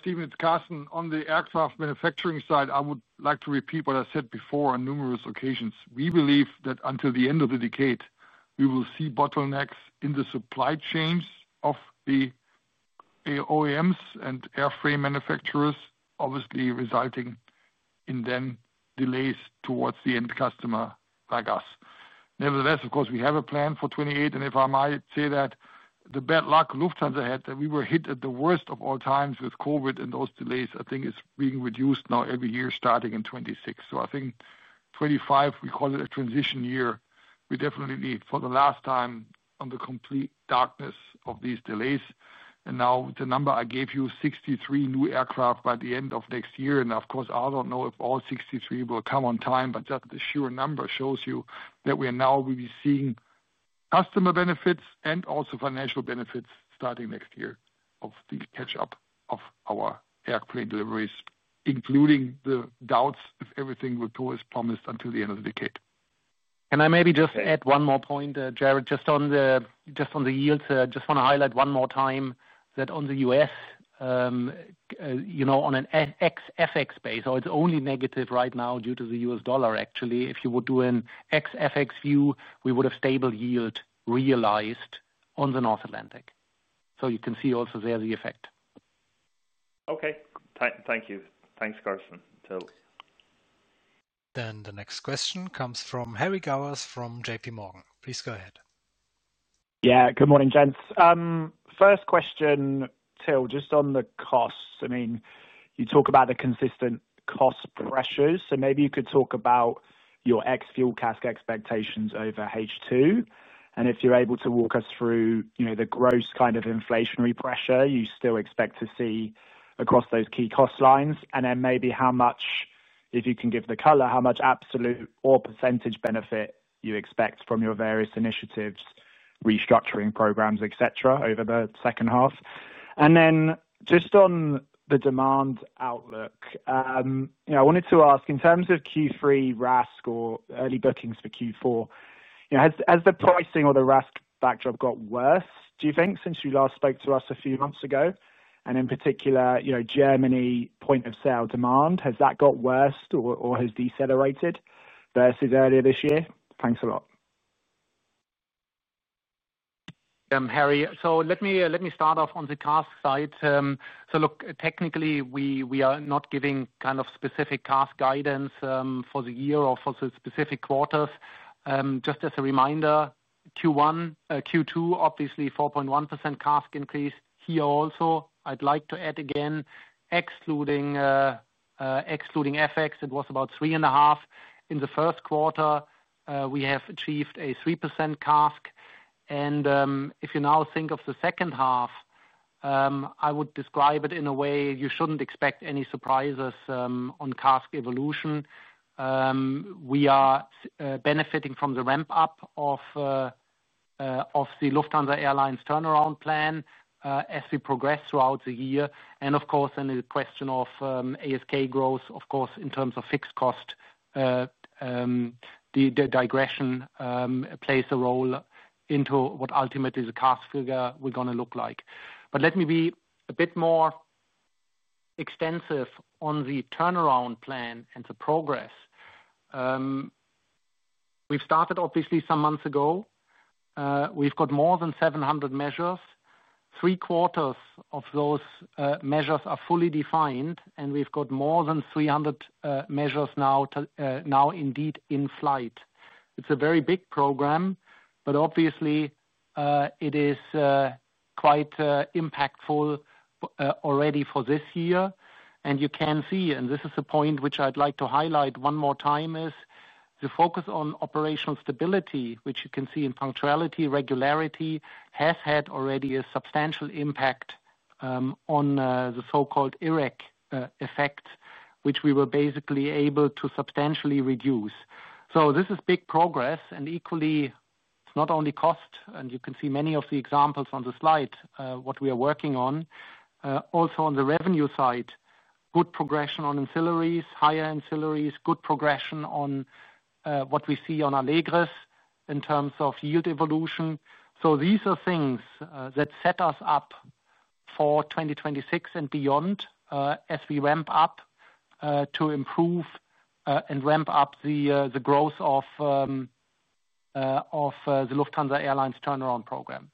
Stephen, it's Carsten. On the aircraft manufacturing side, I would like to repeat what I said before on numerous occasions. We believe that until the end of the decade, we will see bottlenecks in the supply chains of the OEMs and airframe manufacturers, obviously resulting in then delays towards the end customer like us. Nevertheless, of course, we have a plan for 2028, and if I might say that the bad luck Lufthansa had, that we were hit at the worst of all times with COVID and those delays, I think is being reduced now every year starting in 2026. I think 2025, we call it a transition year. We definitely need for the last time on the complete darkness of these delays. The number I gave you, 63 new aircraft by the end of next year. Of course, I don't know if all 63 will come on time, but just the sheer number shows you that we are now really seeing customer benefits and also financial benefits starting next year of the catch-up of our airplane deliveries, including the doubts if everything will go as promised until the end of the decade. Can I maybe just add one more point, Jared? Just on the yields, I just want to highlight one more time that on the U.S. On an FX base, or it's only negative right now due to the U.S. dollar, actually. If you would do an ex-FX view, we would have stable yield realized on the North Atlantic. You can see also there the effect. Okay, thank you. Thanks, Carsten. The next question comes from Harry Gowers from JP Morgan. Please go ahead. Yeah, good morning, gents. First question, Till, just on the costs. I mean, you talk about the consistent cost pressures, so maybe you could talk about your ex-fuel cask expectations over H2. If you're able to walk us through the gross kind of inflationary pressure you still expect to see across those key cost lines, and then maybe how much, if you can give the color, how much absolute or percentage benefit you expect from your various initiatives, restructuring programs, etc., over the second half. Just on the demand outlook, I wanted to ask, in terms of Q3 RASC or early bookings for Q4, has the pricing or the RASC backdrop got worse, do you think, since you last spoke to us a few months ago? In particular, Germany point of sale demand, has that got worse or has decelerated versus earlier this year? Thanks a lot. Harry, let me start off on the CASC side. Technically, we are not giving specific CASC guidance for the year or for the specific quarters. Just as a reminder, Q2, obviously, 4.1% CASC increase. Here also, I'd like to add again, excluding FX, it was about 3.5%. In the first quarter, we have achieved a 3% CASC. If you now think of the second half, I would describe it in a way you shouldn't expect any surprises on CASC evolution. We are benefiting from the ramp-up of the Lufthansa Airlines turnaround plan as we progress throughout the year. Of course, then the question of ASK growth, in terms of fixed cost, the digression plays a role into what ultimately the CASC figure is going to look like. Let me be a bit more extensive on the turnaround plan and the progress. We've started some months ago. We've got more than 700 measures. Three quarters of those measures are fully defined, and we've got more than 300 measures now indeed in flight. It's a very big program, but it is quite impactful already for this year. You can see, and this is a point which I'd like to highlight one more time, the focus on operational stability, which you can see in punctuality and regularity, has had already a substantial impact on the so-called IREC effect, which we were basically able to substantially reduce. This is big progress, and equally, it's not only cost, and you can see many of the examples on the slide, what we are working on. Also on the revenue side, good progression on ancillaries, higher ancillaries, good progression on what we see on Allegris in terms of yield evolution. These are things that set us up for 2026 and beyond as we ramp up to improve and ramp up the growth of the Lufthansa Airlines turnaround program.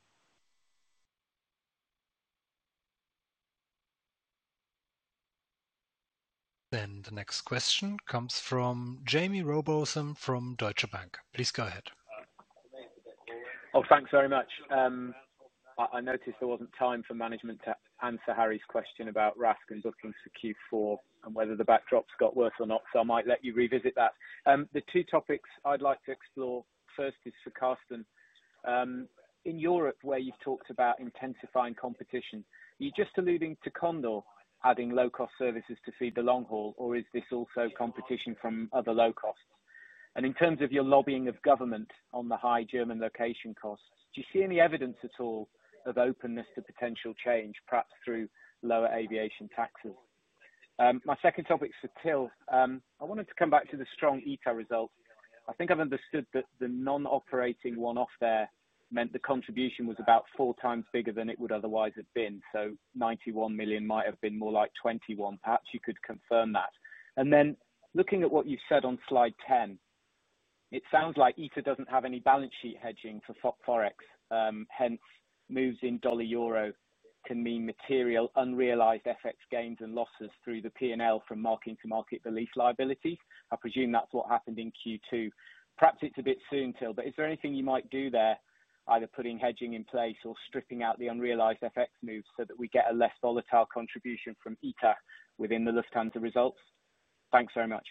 The next question comes from Jaime Rowbotham from Deutsche Bank. Please go ahead. Oh, thanks very much. I noticed there wasn't time for management to answer Harry's question about RASC and bookings for Q4 and whether the backdrop's got worse or not, so I might let you revisit that. The two topics I'd like to explore, first is for Carsten. In Europe, where you've talked about intensifying competition, are you just alluding to Condor adding low-cost services to feed the long haul, or is this also competition from other low costs? In terms of your lobbying of government on the high German location costs, do you see any evidence at all of openness to potential change, perhaps through lower aviation taxes? My second topic is for Till. I wanted to come back to the strong ITA result. I think I've understood that the non-operating one-off there meant the contribution was about four times bigger than it would otherwise have been. So $91 million might have been more like $21 million. Perhaps you could confirm that. Then looking at what you've said on slide 10, it sounds like ITA doesn't have any balance sheet hedging for FX, hence moves in dollar-euro can mean material unrealized FX gains and losses through the P&L from mark-to-market belief liability. I presume that's what happened in Q2. Perhaps it's a bit soon, Till, but is there anything you might do there, either putting hedging in place or stripping out the unrealized FX moves so that we get a less volatile contribution from ITA within the Lufthansa results? Thanks very much.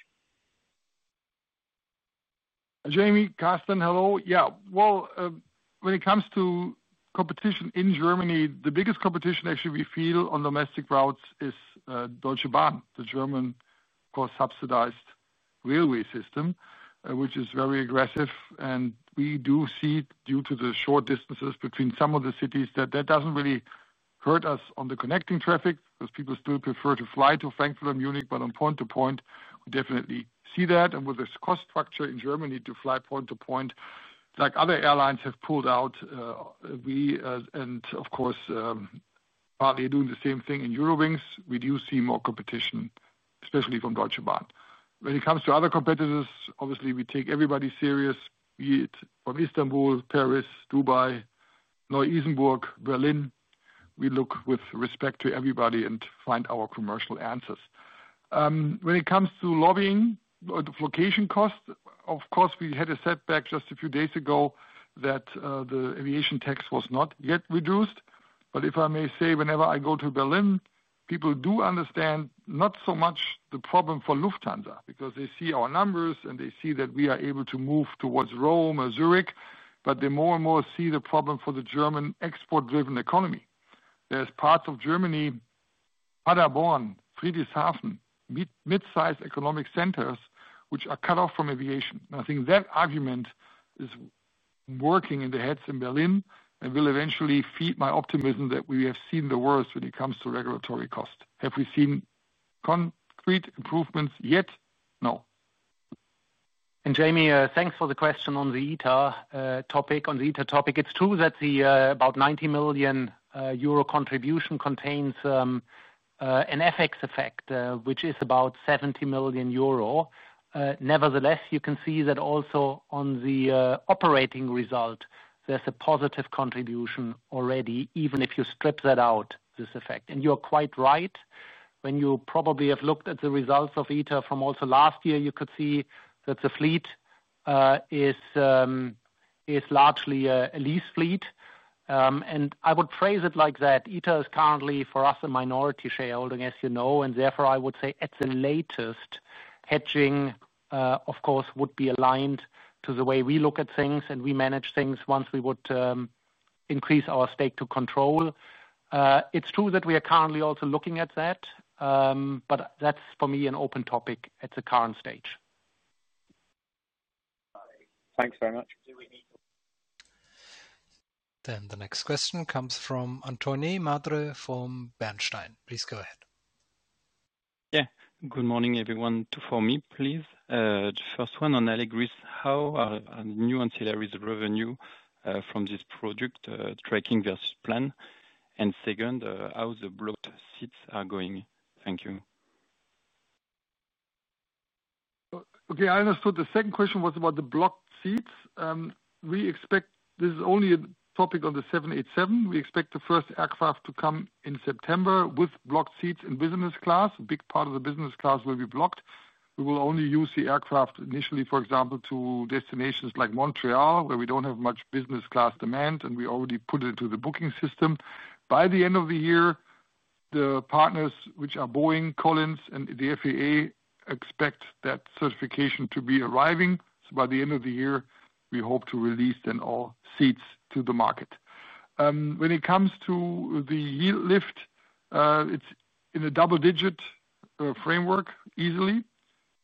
Jaime, Carsten, hello. Yeah, when it comes to competition in Germany, the biggest competition actually we feel on domestic routes is Deutsche Bahn, the German subsidized railway system, which is very aggressive. We do see, due to the short distances between some of the cities, that that doesn't really hurt us on the connecting traffic because people still prefer to fly to Frankfurt and Munich. On point-to-point, we definitely see that. With this cost structure in Germany to fly point-to-point, like other airlines have pulled out. Of course, partly doing the same thing in Eurowings, we do see more competition, especially from Deutsche Bahn. When it comes to other competitors, obviously, we take everybody seriously. From Istanbul, Paris, Dubai, Neu-Isenburg, Berlin, we look with respect to everybody and find our commercial answers. When it comes to lobbying location costs, of course, we had a setback just a few days ago that the aviation tax was not yet reduced. If I may say, whenever I go to Berlin, people do understand not so much the problem for Lufthansa because they see our numbers and they see that we are able to move towards Rome or Zurich, but they more and more see the problem for the German export-driven economy. There are parts of Germany, Paderborn, Friedrichshafen, midsize economic centers which are cut off from aviation. I think that argument is working in the heads in Berlin and will eventually feed my optimism that we have seen the worst when it comes to regulatory costs. Have we seen concrete improvements yet? No. Jamie, thanks for the question on the ITA topic. It's true that the about 90 million euro contribution contains an FX effect, which is about 70 million euro. Nevertheless, you can see that also on the operating result, there's a positive contribution already, even if you strip that out, this effect. You're quite right. When you probably have looked at the results of ITA from also last year, you could see that the fleet is largely a lease fleet. I would phrase it like that. ITA is currently, for us, a minority shareholder, as you know, and therefore I would say at the latest, hedging, of course, would be aligned to the way we look at things and we manage things once we would increase our stake to control. It's true that we are currently also looking at that. For me, that's an open topic at the current stage. Thanks very much. The next question comes from Antoine Madre from Bernstein. Please go ahead. Yeah, good morning, everyone. For me, please, the first one on Allegris, how are new ancillaries revenue from this product tracking versus plan? Second, how the blocked seats are going? Thank you. Okay, I understood the second question was about the blocked seats. This is only a topic on the 787. We expect the first aircraft to come in September with blocked seats in Business class. A big part of the Business class will be blocked. We will only use the aircraft initially, for example, to destinations like Montreal, where we don't have much Business class demand, and we already put it into the booking system. By the end of the year, the partners, which are Boeing, Collins, and the FAA, expect that certification to be arriving. By the end of the year, we hope to release then all seats to the market. When it comes to the yield lift, it's in a double-digit framework easily,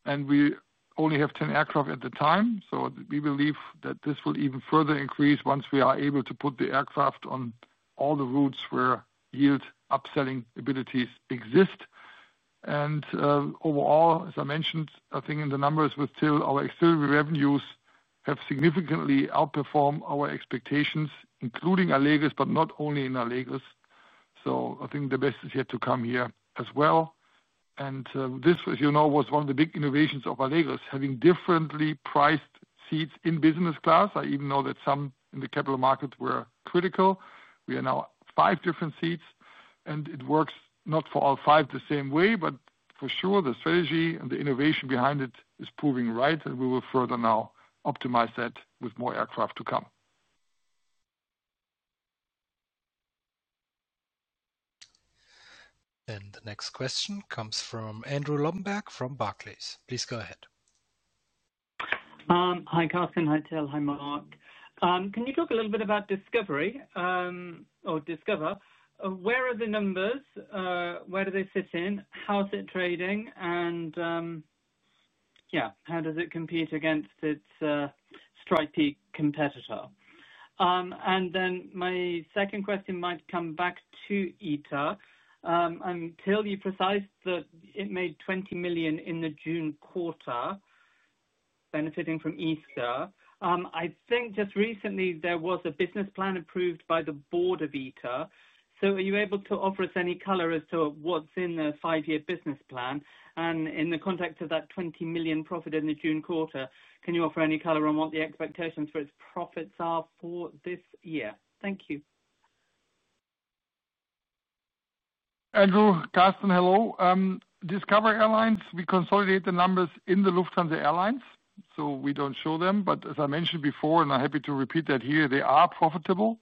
and we only have 10 aircraft at the time. We believe that this will even further increase once we are able to put the aircraft on all the routes where yield upselling abilities exist. Overall, as I mentioned, I think in the numbers with Till, our exterior revenues have significantly outperformed our expectations, including Allegris, but not only in Allegris. I think the best is yet to come here as well. This, as you know, was one of the big innovations of Allegris, having differently priced seats in Business class. I even know that some in the capital market were critical. We are now five different seats, and it works not for all five the same way, but for sure, the strategy and the innovation behind it is proving right, and we will further now optimize that with more aircraft to come. The next question comes from Andrew Lobbenberg from Barclays. Please go ahead. Hi, Carsten. Hi, Till. Hi, Marc. Can you talk a little bit about Discover Airlines? Where are the numbers? Where do they sit in? How's it trading? How does it compete against its stripy competitor? My second question might come back to ITA. Till, you precised that it made $20 million in the June quarter benefiting from ITA. I think just recently, there was a business plan approved by the board of ITA. Are you able to offer us any color as to what's in the five-year business plan? In the context of that $20 million profit in the June quarter, can you offer any color on what the expectations for its profits are for this year? Thank you. Andrew, Carsten, hello. Discover Airlines, we consolidate the numbers in the Lufthansa Airlines, so we don't show them. As I mentioned before, and I'm happy to repeat that here, they are profitable.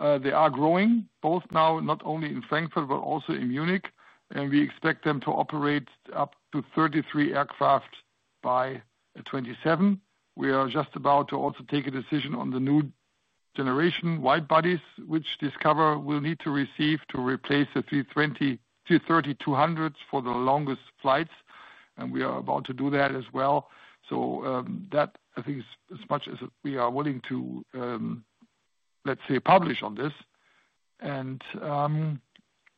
They are growing, both now not only in Frankfurt but also in Munich. We expect them to operate up to 33 aircraft by 2027. We are just about to also take a decision on the new generation widebodies, which Discover will need to receive to replace the 330-200s for the longest flights. We are about to do that as well. That, I think, is as much as we are willing to, let's say, publish on this.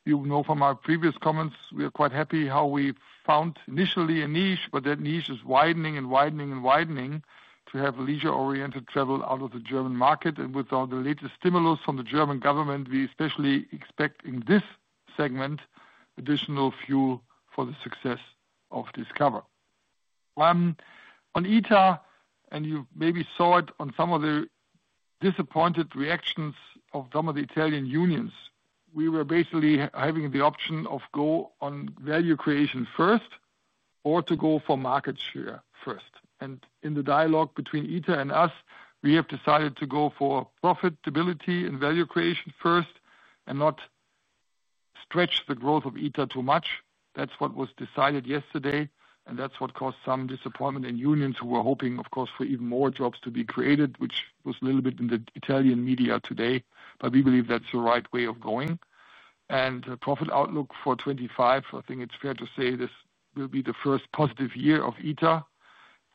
You know from our previous comments, we are quite happy how we found initially a niche, but that niche is widening and widening and widening to have leisure-oriented travel out of the German market. With the latest stimulus from the German government, we especially expect in this segment additional fuel for the success of Discover. On ITA, and you maybe saw it on some of the disappointed reactions of some of the Italian unions, we were basically having the option of going on value creation first or to go for market share first. In the dialogue between ITA and us, we have decided to go for profitability and value creation first and not stretch the growth of ITA too much. That was decided yesterday, and that caused some disappointment in unions who were hoping, of course, for even more jobs to be created, which was a little bit in the Italian media today. We believe that's the right way of going. The profit outlook for 2025, I think it's fair to say this will be the first positive year of ITA,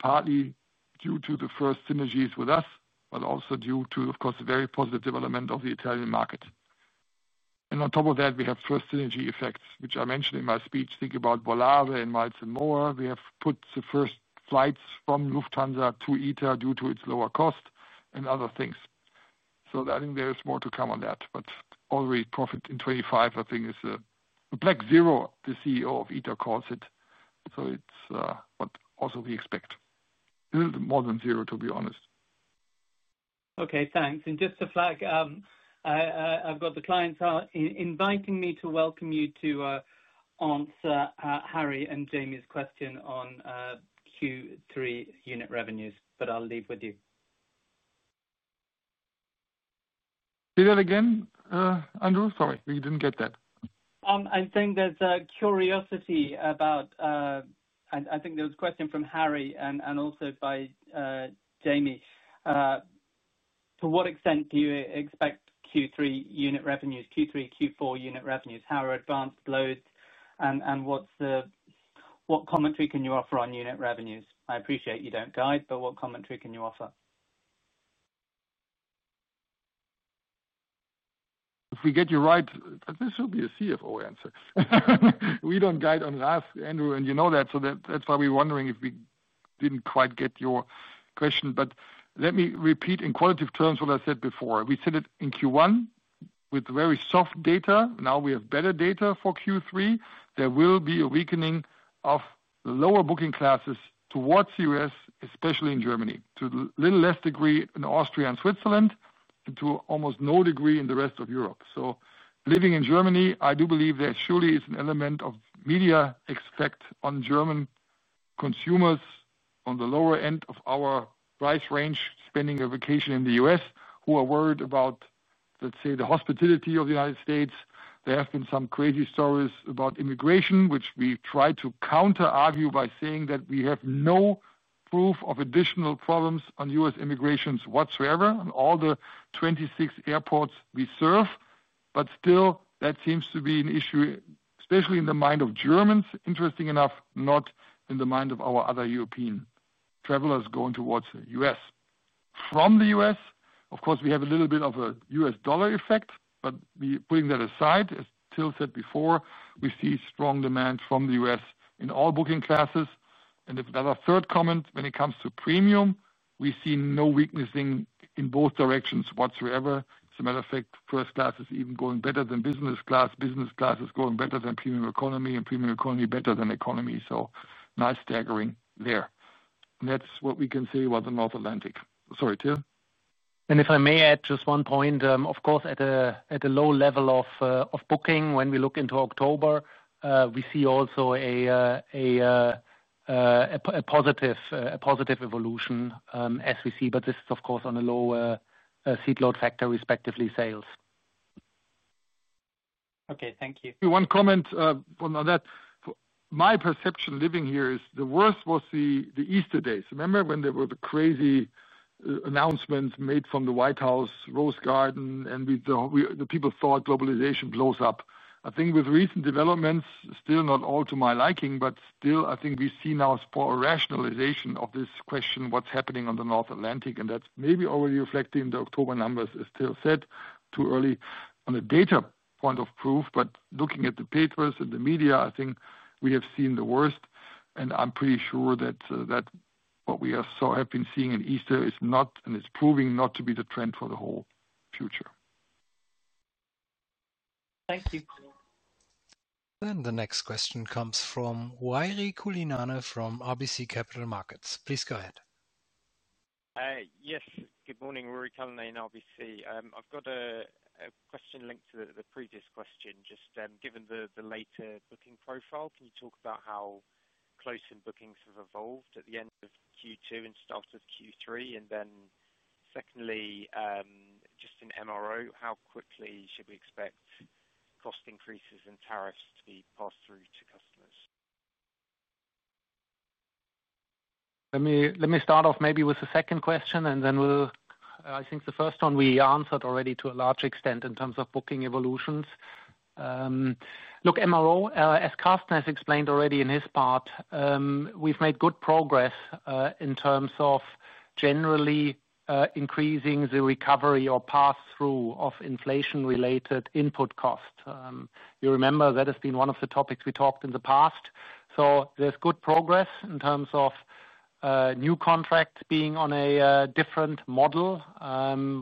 partly due to the first synergies with us, but also due to, of course, a very positive development of the Italian market. On top of that, we have first synergy effects, which I mentioned in my speech. Think about Volare and Miles & More. We have put the first flights from Lufthansa to ITA due to its lower cost and other things. I think there is more to come on that. Already profit in 2025, I think, is a black zero, the CEO of ITA calls it. It's what also we expect. A little more than zero, to be honest. Thank you. Just a flag, I've got the clients inviting me to welcome you to answer Harry and Jamie's question on Q3 unit revenues, but I'll leave with you. Say that again, Andrew? Sorry, we didn't get that. I think there's a curiosity about, I think there was a question from Harry and also by Jamie. To what extent do you expect Q3 unit revenues, Q3, Q4 unit revenues? How are advanced loads and what commentary can you offer on unit revenues? I appreciate you don't guide, but what commentary can you offer? If we get you right, this will be a CFO answer. We don't guide on RASK, Andrew, and you know that. That's why we're wondering if we didn't quite get your question. Let me repeat in qualitative terms what I said before. We said it in Q1 with very soft data. Now we have better data for Q3. There will be a weakening of lower booking classes towards the U.S., especially in Germany, to a little less degree in Austria and Switzerland, and to almost no degree in the rest of Europe. Living in Germany, I do believe there surely is an element of media effect on German. Consumers on the lower end of our price range spending a vacation in the U.S. who are worried about, let's say, the hospitality of the United States. There have been some crazy stories about immigration, which we try to counterargue by saying that we have no proof of additional problems on U.S. immigrations whatsoever on all the 26 airports we serve. Still, that seems to be an issue, especially in the mind of Germans, interesting enough, not in the mind of our other European travelers going towards the U.S. From the U.S., of course, we have a little bit of a U.S. dollar effect, but putting that aside, as Till said before, we see strong demand from the U.S. in all booking classes. Another third comment, when it comes to premium, we see no weakness in both directions whatsoever. As a matter of fact, first class is even going better than Business class. Business class is going better than premium economy and premium economy better than economy. Nice staggering there. That's what we can say about the North Atlantic. Sorry, Till. If I may add just one point, of course, at a low level of booking, when we look into October, we see also a positive evolution as we see, but this is, of course, on a lower seatload factor, respectively, sales. Okay, thank you. One comment on that. My perception living here is the worst was the Easter days. Remember when there were the crazy announcements made from the White House, Rose Garden, and the people thought globalization blows up? I think with recent developments, still not all to my liking, but still, I think we see now a rationalization of this question, what's happening on the North Atlantic, and that's maybe already reflected in the October numbers, as Till said, too early. The data point of proof, but looking at the papers and the media, I think we have seen the worst, and I'm pretty sure that what we have seen in Easter is not, and it's proving not to be the trend for the whole future. Thank you. The next question comes from Ruairi Cullinane from RBC Capital Markets. Please go ahead. Good morning, Ruairi Cullinane, RBC. I've got a question linked to the previous question. Just given the later booking profile, can you talk about how close-in bookings have evolved at the end of Q2 and start of Q3? Secondly, just in MRO, how quickly should we expect cost increases and tariffs to be passed through to customers? Let me start off maybe with the second question, and then we'll, I think the first one we answered already to a large extent in terms of booking evolutions. Look, MRO, as Carsten Spohr has explained already in his part, we've made good progress in terms of generally increasing the recovery or pass-through of inflation-related input cost. You remember that has been one of the topics we talked in the past. There's good progress in terms of new contracts being on a different model,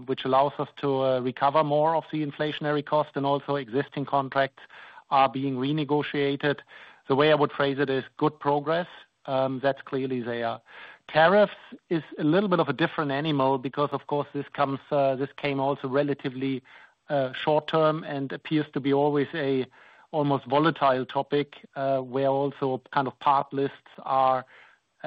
which allows us to recover more of the inflationary cost, and also existing contracts are being renegotiated. The way I would phrase it is good progress. That's clearly there. Tariffs is a little bit of a different animal because, of course, this came also relatively short-term and appears to be always an almost volatile topic, where also kind of part lists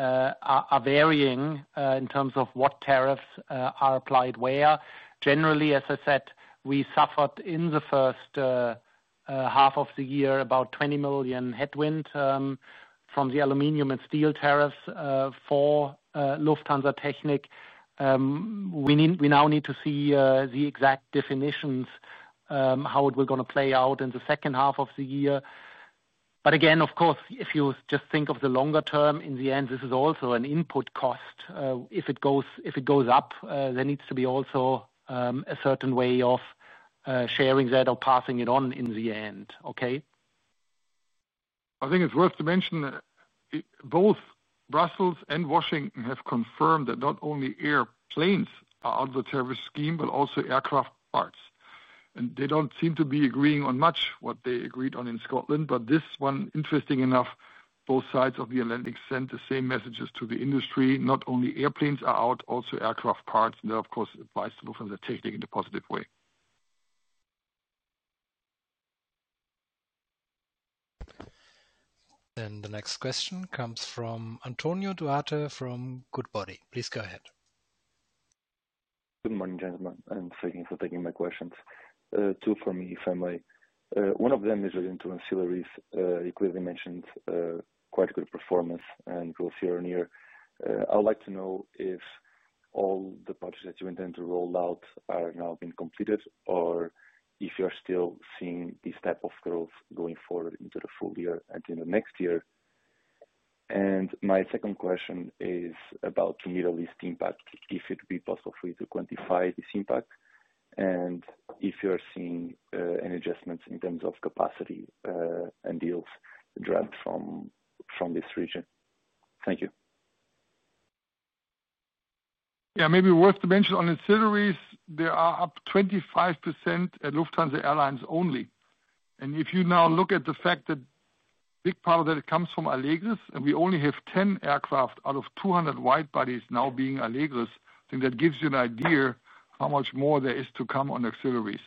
are varying in terms of what tariffs are applied where. Generally, as I said, we suffered in the first half of the year about $20 million headwind from the aluminum and steel tariffs for Lufthansa Technik. We now need to see the exact definitions, how it will play out in the second half of the year. Again, of course, if you just think of the longer term, in the end, this is also an input cost. If it goes up, there needs to be also a certain way of sharing that or passing it on in the end. Okay? I think it's worth to mention, both Brussels and Washington have confirmed that not only airplanes are out of the tariff scheme, but also aircraft parts. They don't seem to be agreeing on much what they agreed on in Scotland, but this one, interesting enough, both sides of the Atlantic sent the same messages to the industry. Not only airplanes are out, also aircraft parts. That, of course, applies to Lufthansa Technik in a positive way. The next question comes from Antonio Duarte from Goodbody. Please go ahead. Good morning, gentlemen. Thank you for taking my questions. Two for me, if I may. One of them is relating to ancillaries. You clearly mentioned quite good performance and growth here or near. I would like to know if all the projects that you intend to roll out are now being completed, or if you're still seeing this type of growth going forward into the full year and into the next year. My second question is about the Middle East impact, if it would be possible for you to quantify this impact, and if you're seeing any adjustments in terms of capacity and deals dropped from this region. Thank you. Yeah, maybe worth to mention on ancillaries, they're up 25% at Lufthansa Airlines only. If you now look at the fact that a big part of that comes from Allegris, and we only have 10 aircraft out of 200 widebodies now being Allegris, I think that gives you an idea how much more there is to come on ancillaries.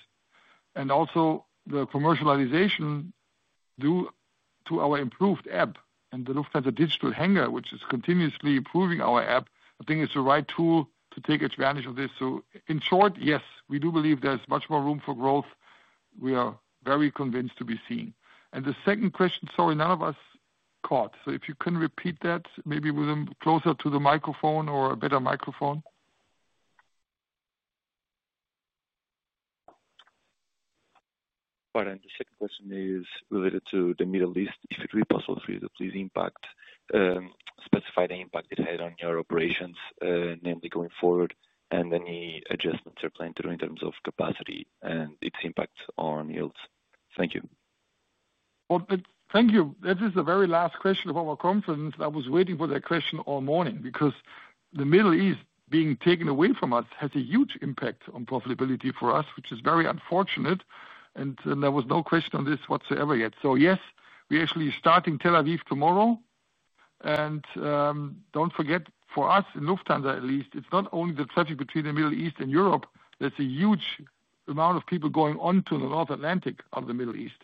Also, the commercialization due to our improved app and the Lufthansa digital hangar, which is continuously improving our app, I think it's the right tool to take advantage of this. In short, yes, we do believe there's much more room for growth. We are very convinced to be seeing. The second question, sorry, none of us caught. If you can repeat that, maybe with a closer to the microphone or a better microphone. All right. The second question is related to the Middle East. If it would be possible for you to please specify the impact it had on your operations, namely going forward, and any adjustments you're planning to do in terms of capacity and its impact on yields. Thank you. Thank you. That is the very last question of our conference. I was waiting for that question all morning because the Middle East being taken away from us has a huge impact on profitability for us, which is very unfortunate. There was no question on this whatsoever yet. Yes, we're actually starting Tel Aviv tomorrow. Don't forget, for us in Lufthansa at least, it's not only the traffic between the Middle East and Europe. There's a huge amount of people going onto the North Atlantic out of the Middle East,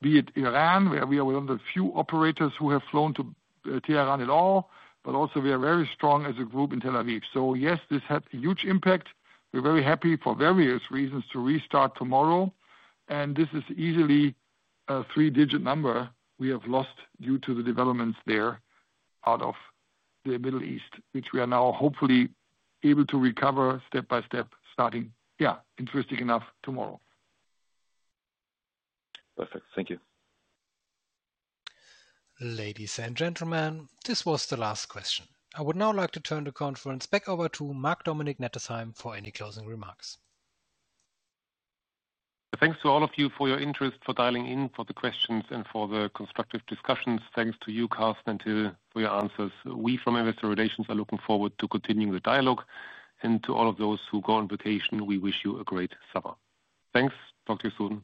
be it Iran, where we are one of the few operators who have flown to Tehran at all, but also we are very strong as a group in Tel Aviv. Yes, this had a huge impact. We're very happy for various reasons to restart tomorrow. This is easily a three-digit number we have lost due to the developments there out of the Middle East, which we are now hopefully able to recover step by step starting, interesting enough, tomorrow. Perfect. Thank you. Ladies and gentlemen, this was the last question. I would now like to turn the conference back over to Marc-Dominic Nettesheim for any closing remarks. Thanks to all of you for your interest, for dialing in, for the questions, and for the constructive discussions. Thanks to you, Carsten, and to you for your answers. We from Investor Relations are looking forward to continuing the dialogue. To all of those who go on vacation, we wish you a great summer. Thanks, Dr. Suhn.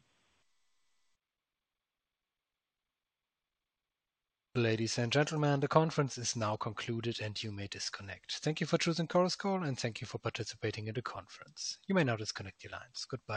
Ladies and gentlemen, the conference is now concluded, and you may disconnect. Thank you for choosing Coruscore, and thank you for participating in the conference. You may now disconnect your lines. Goodbye.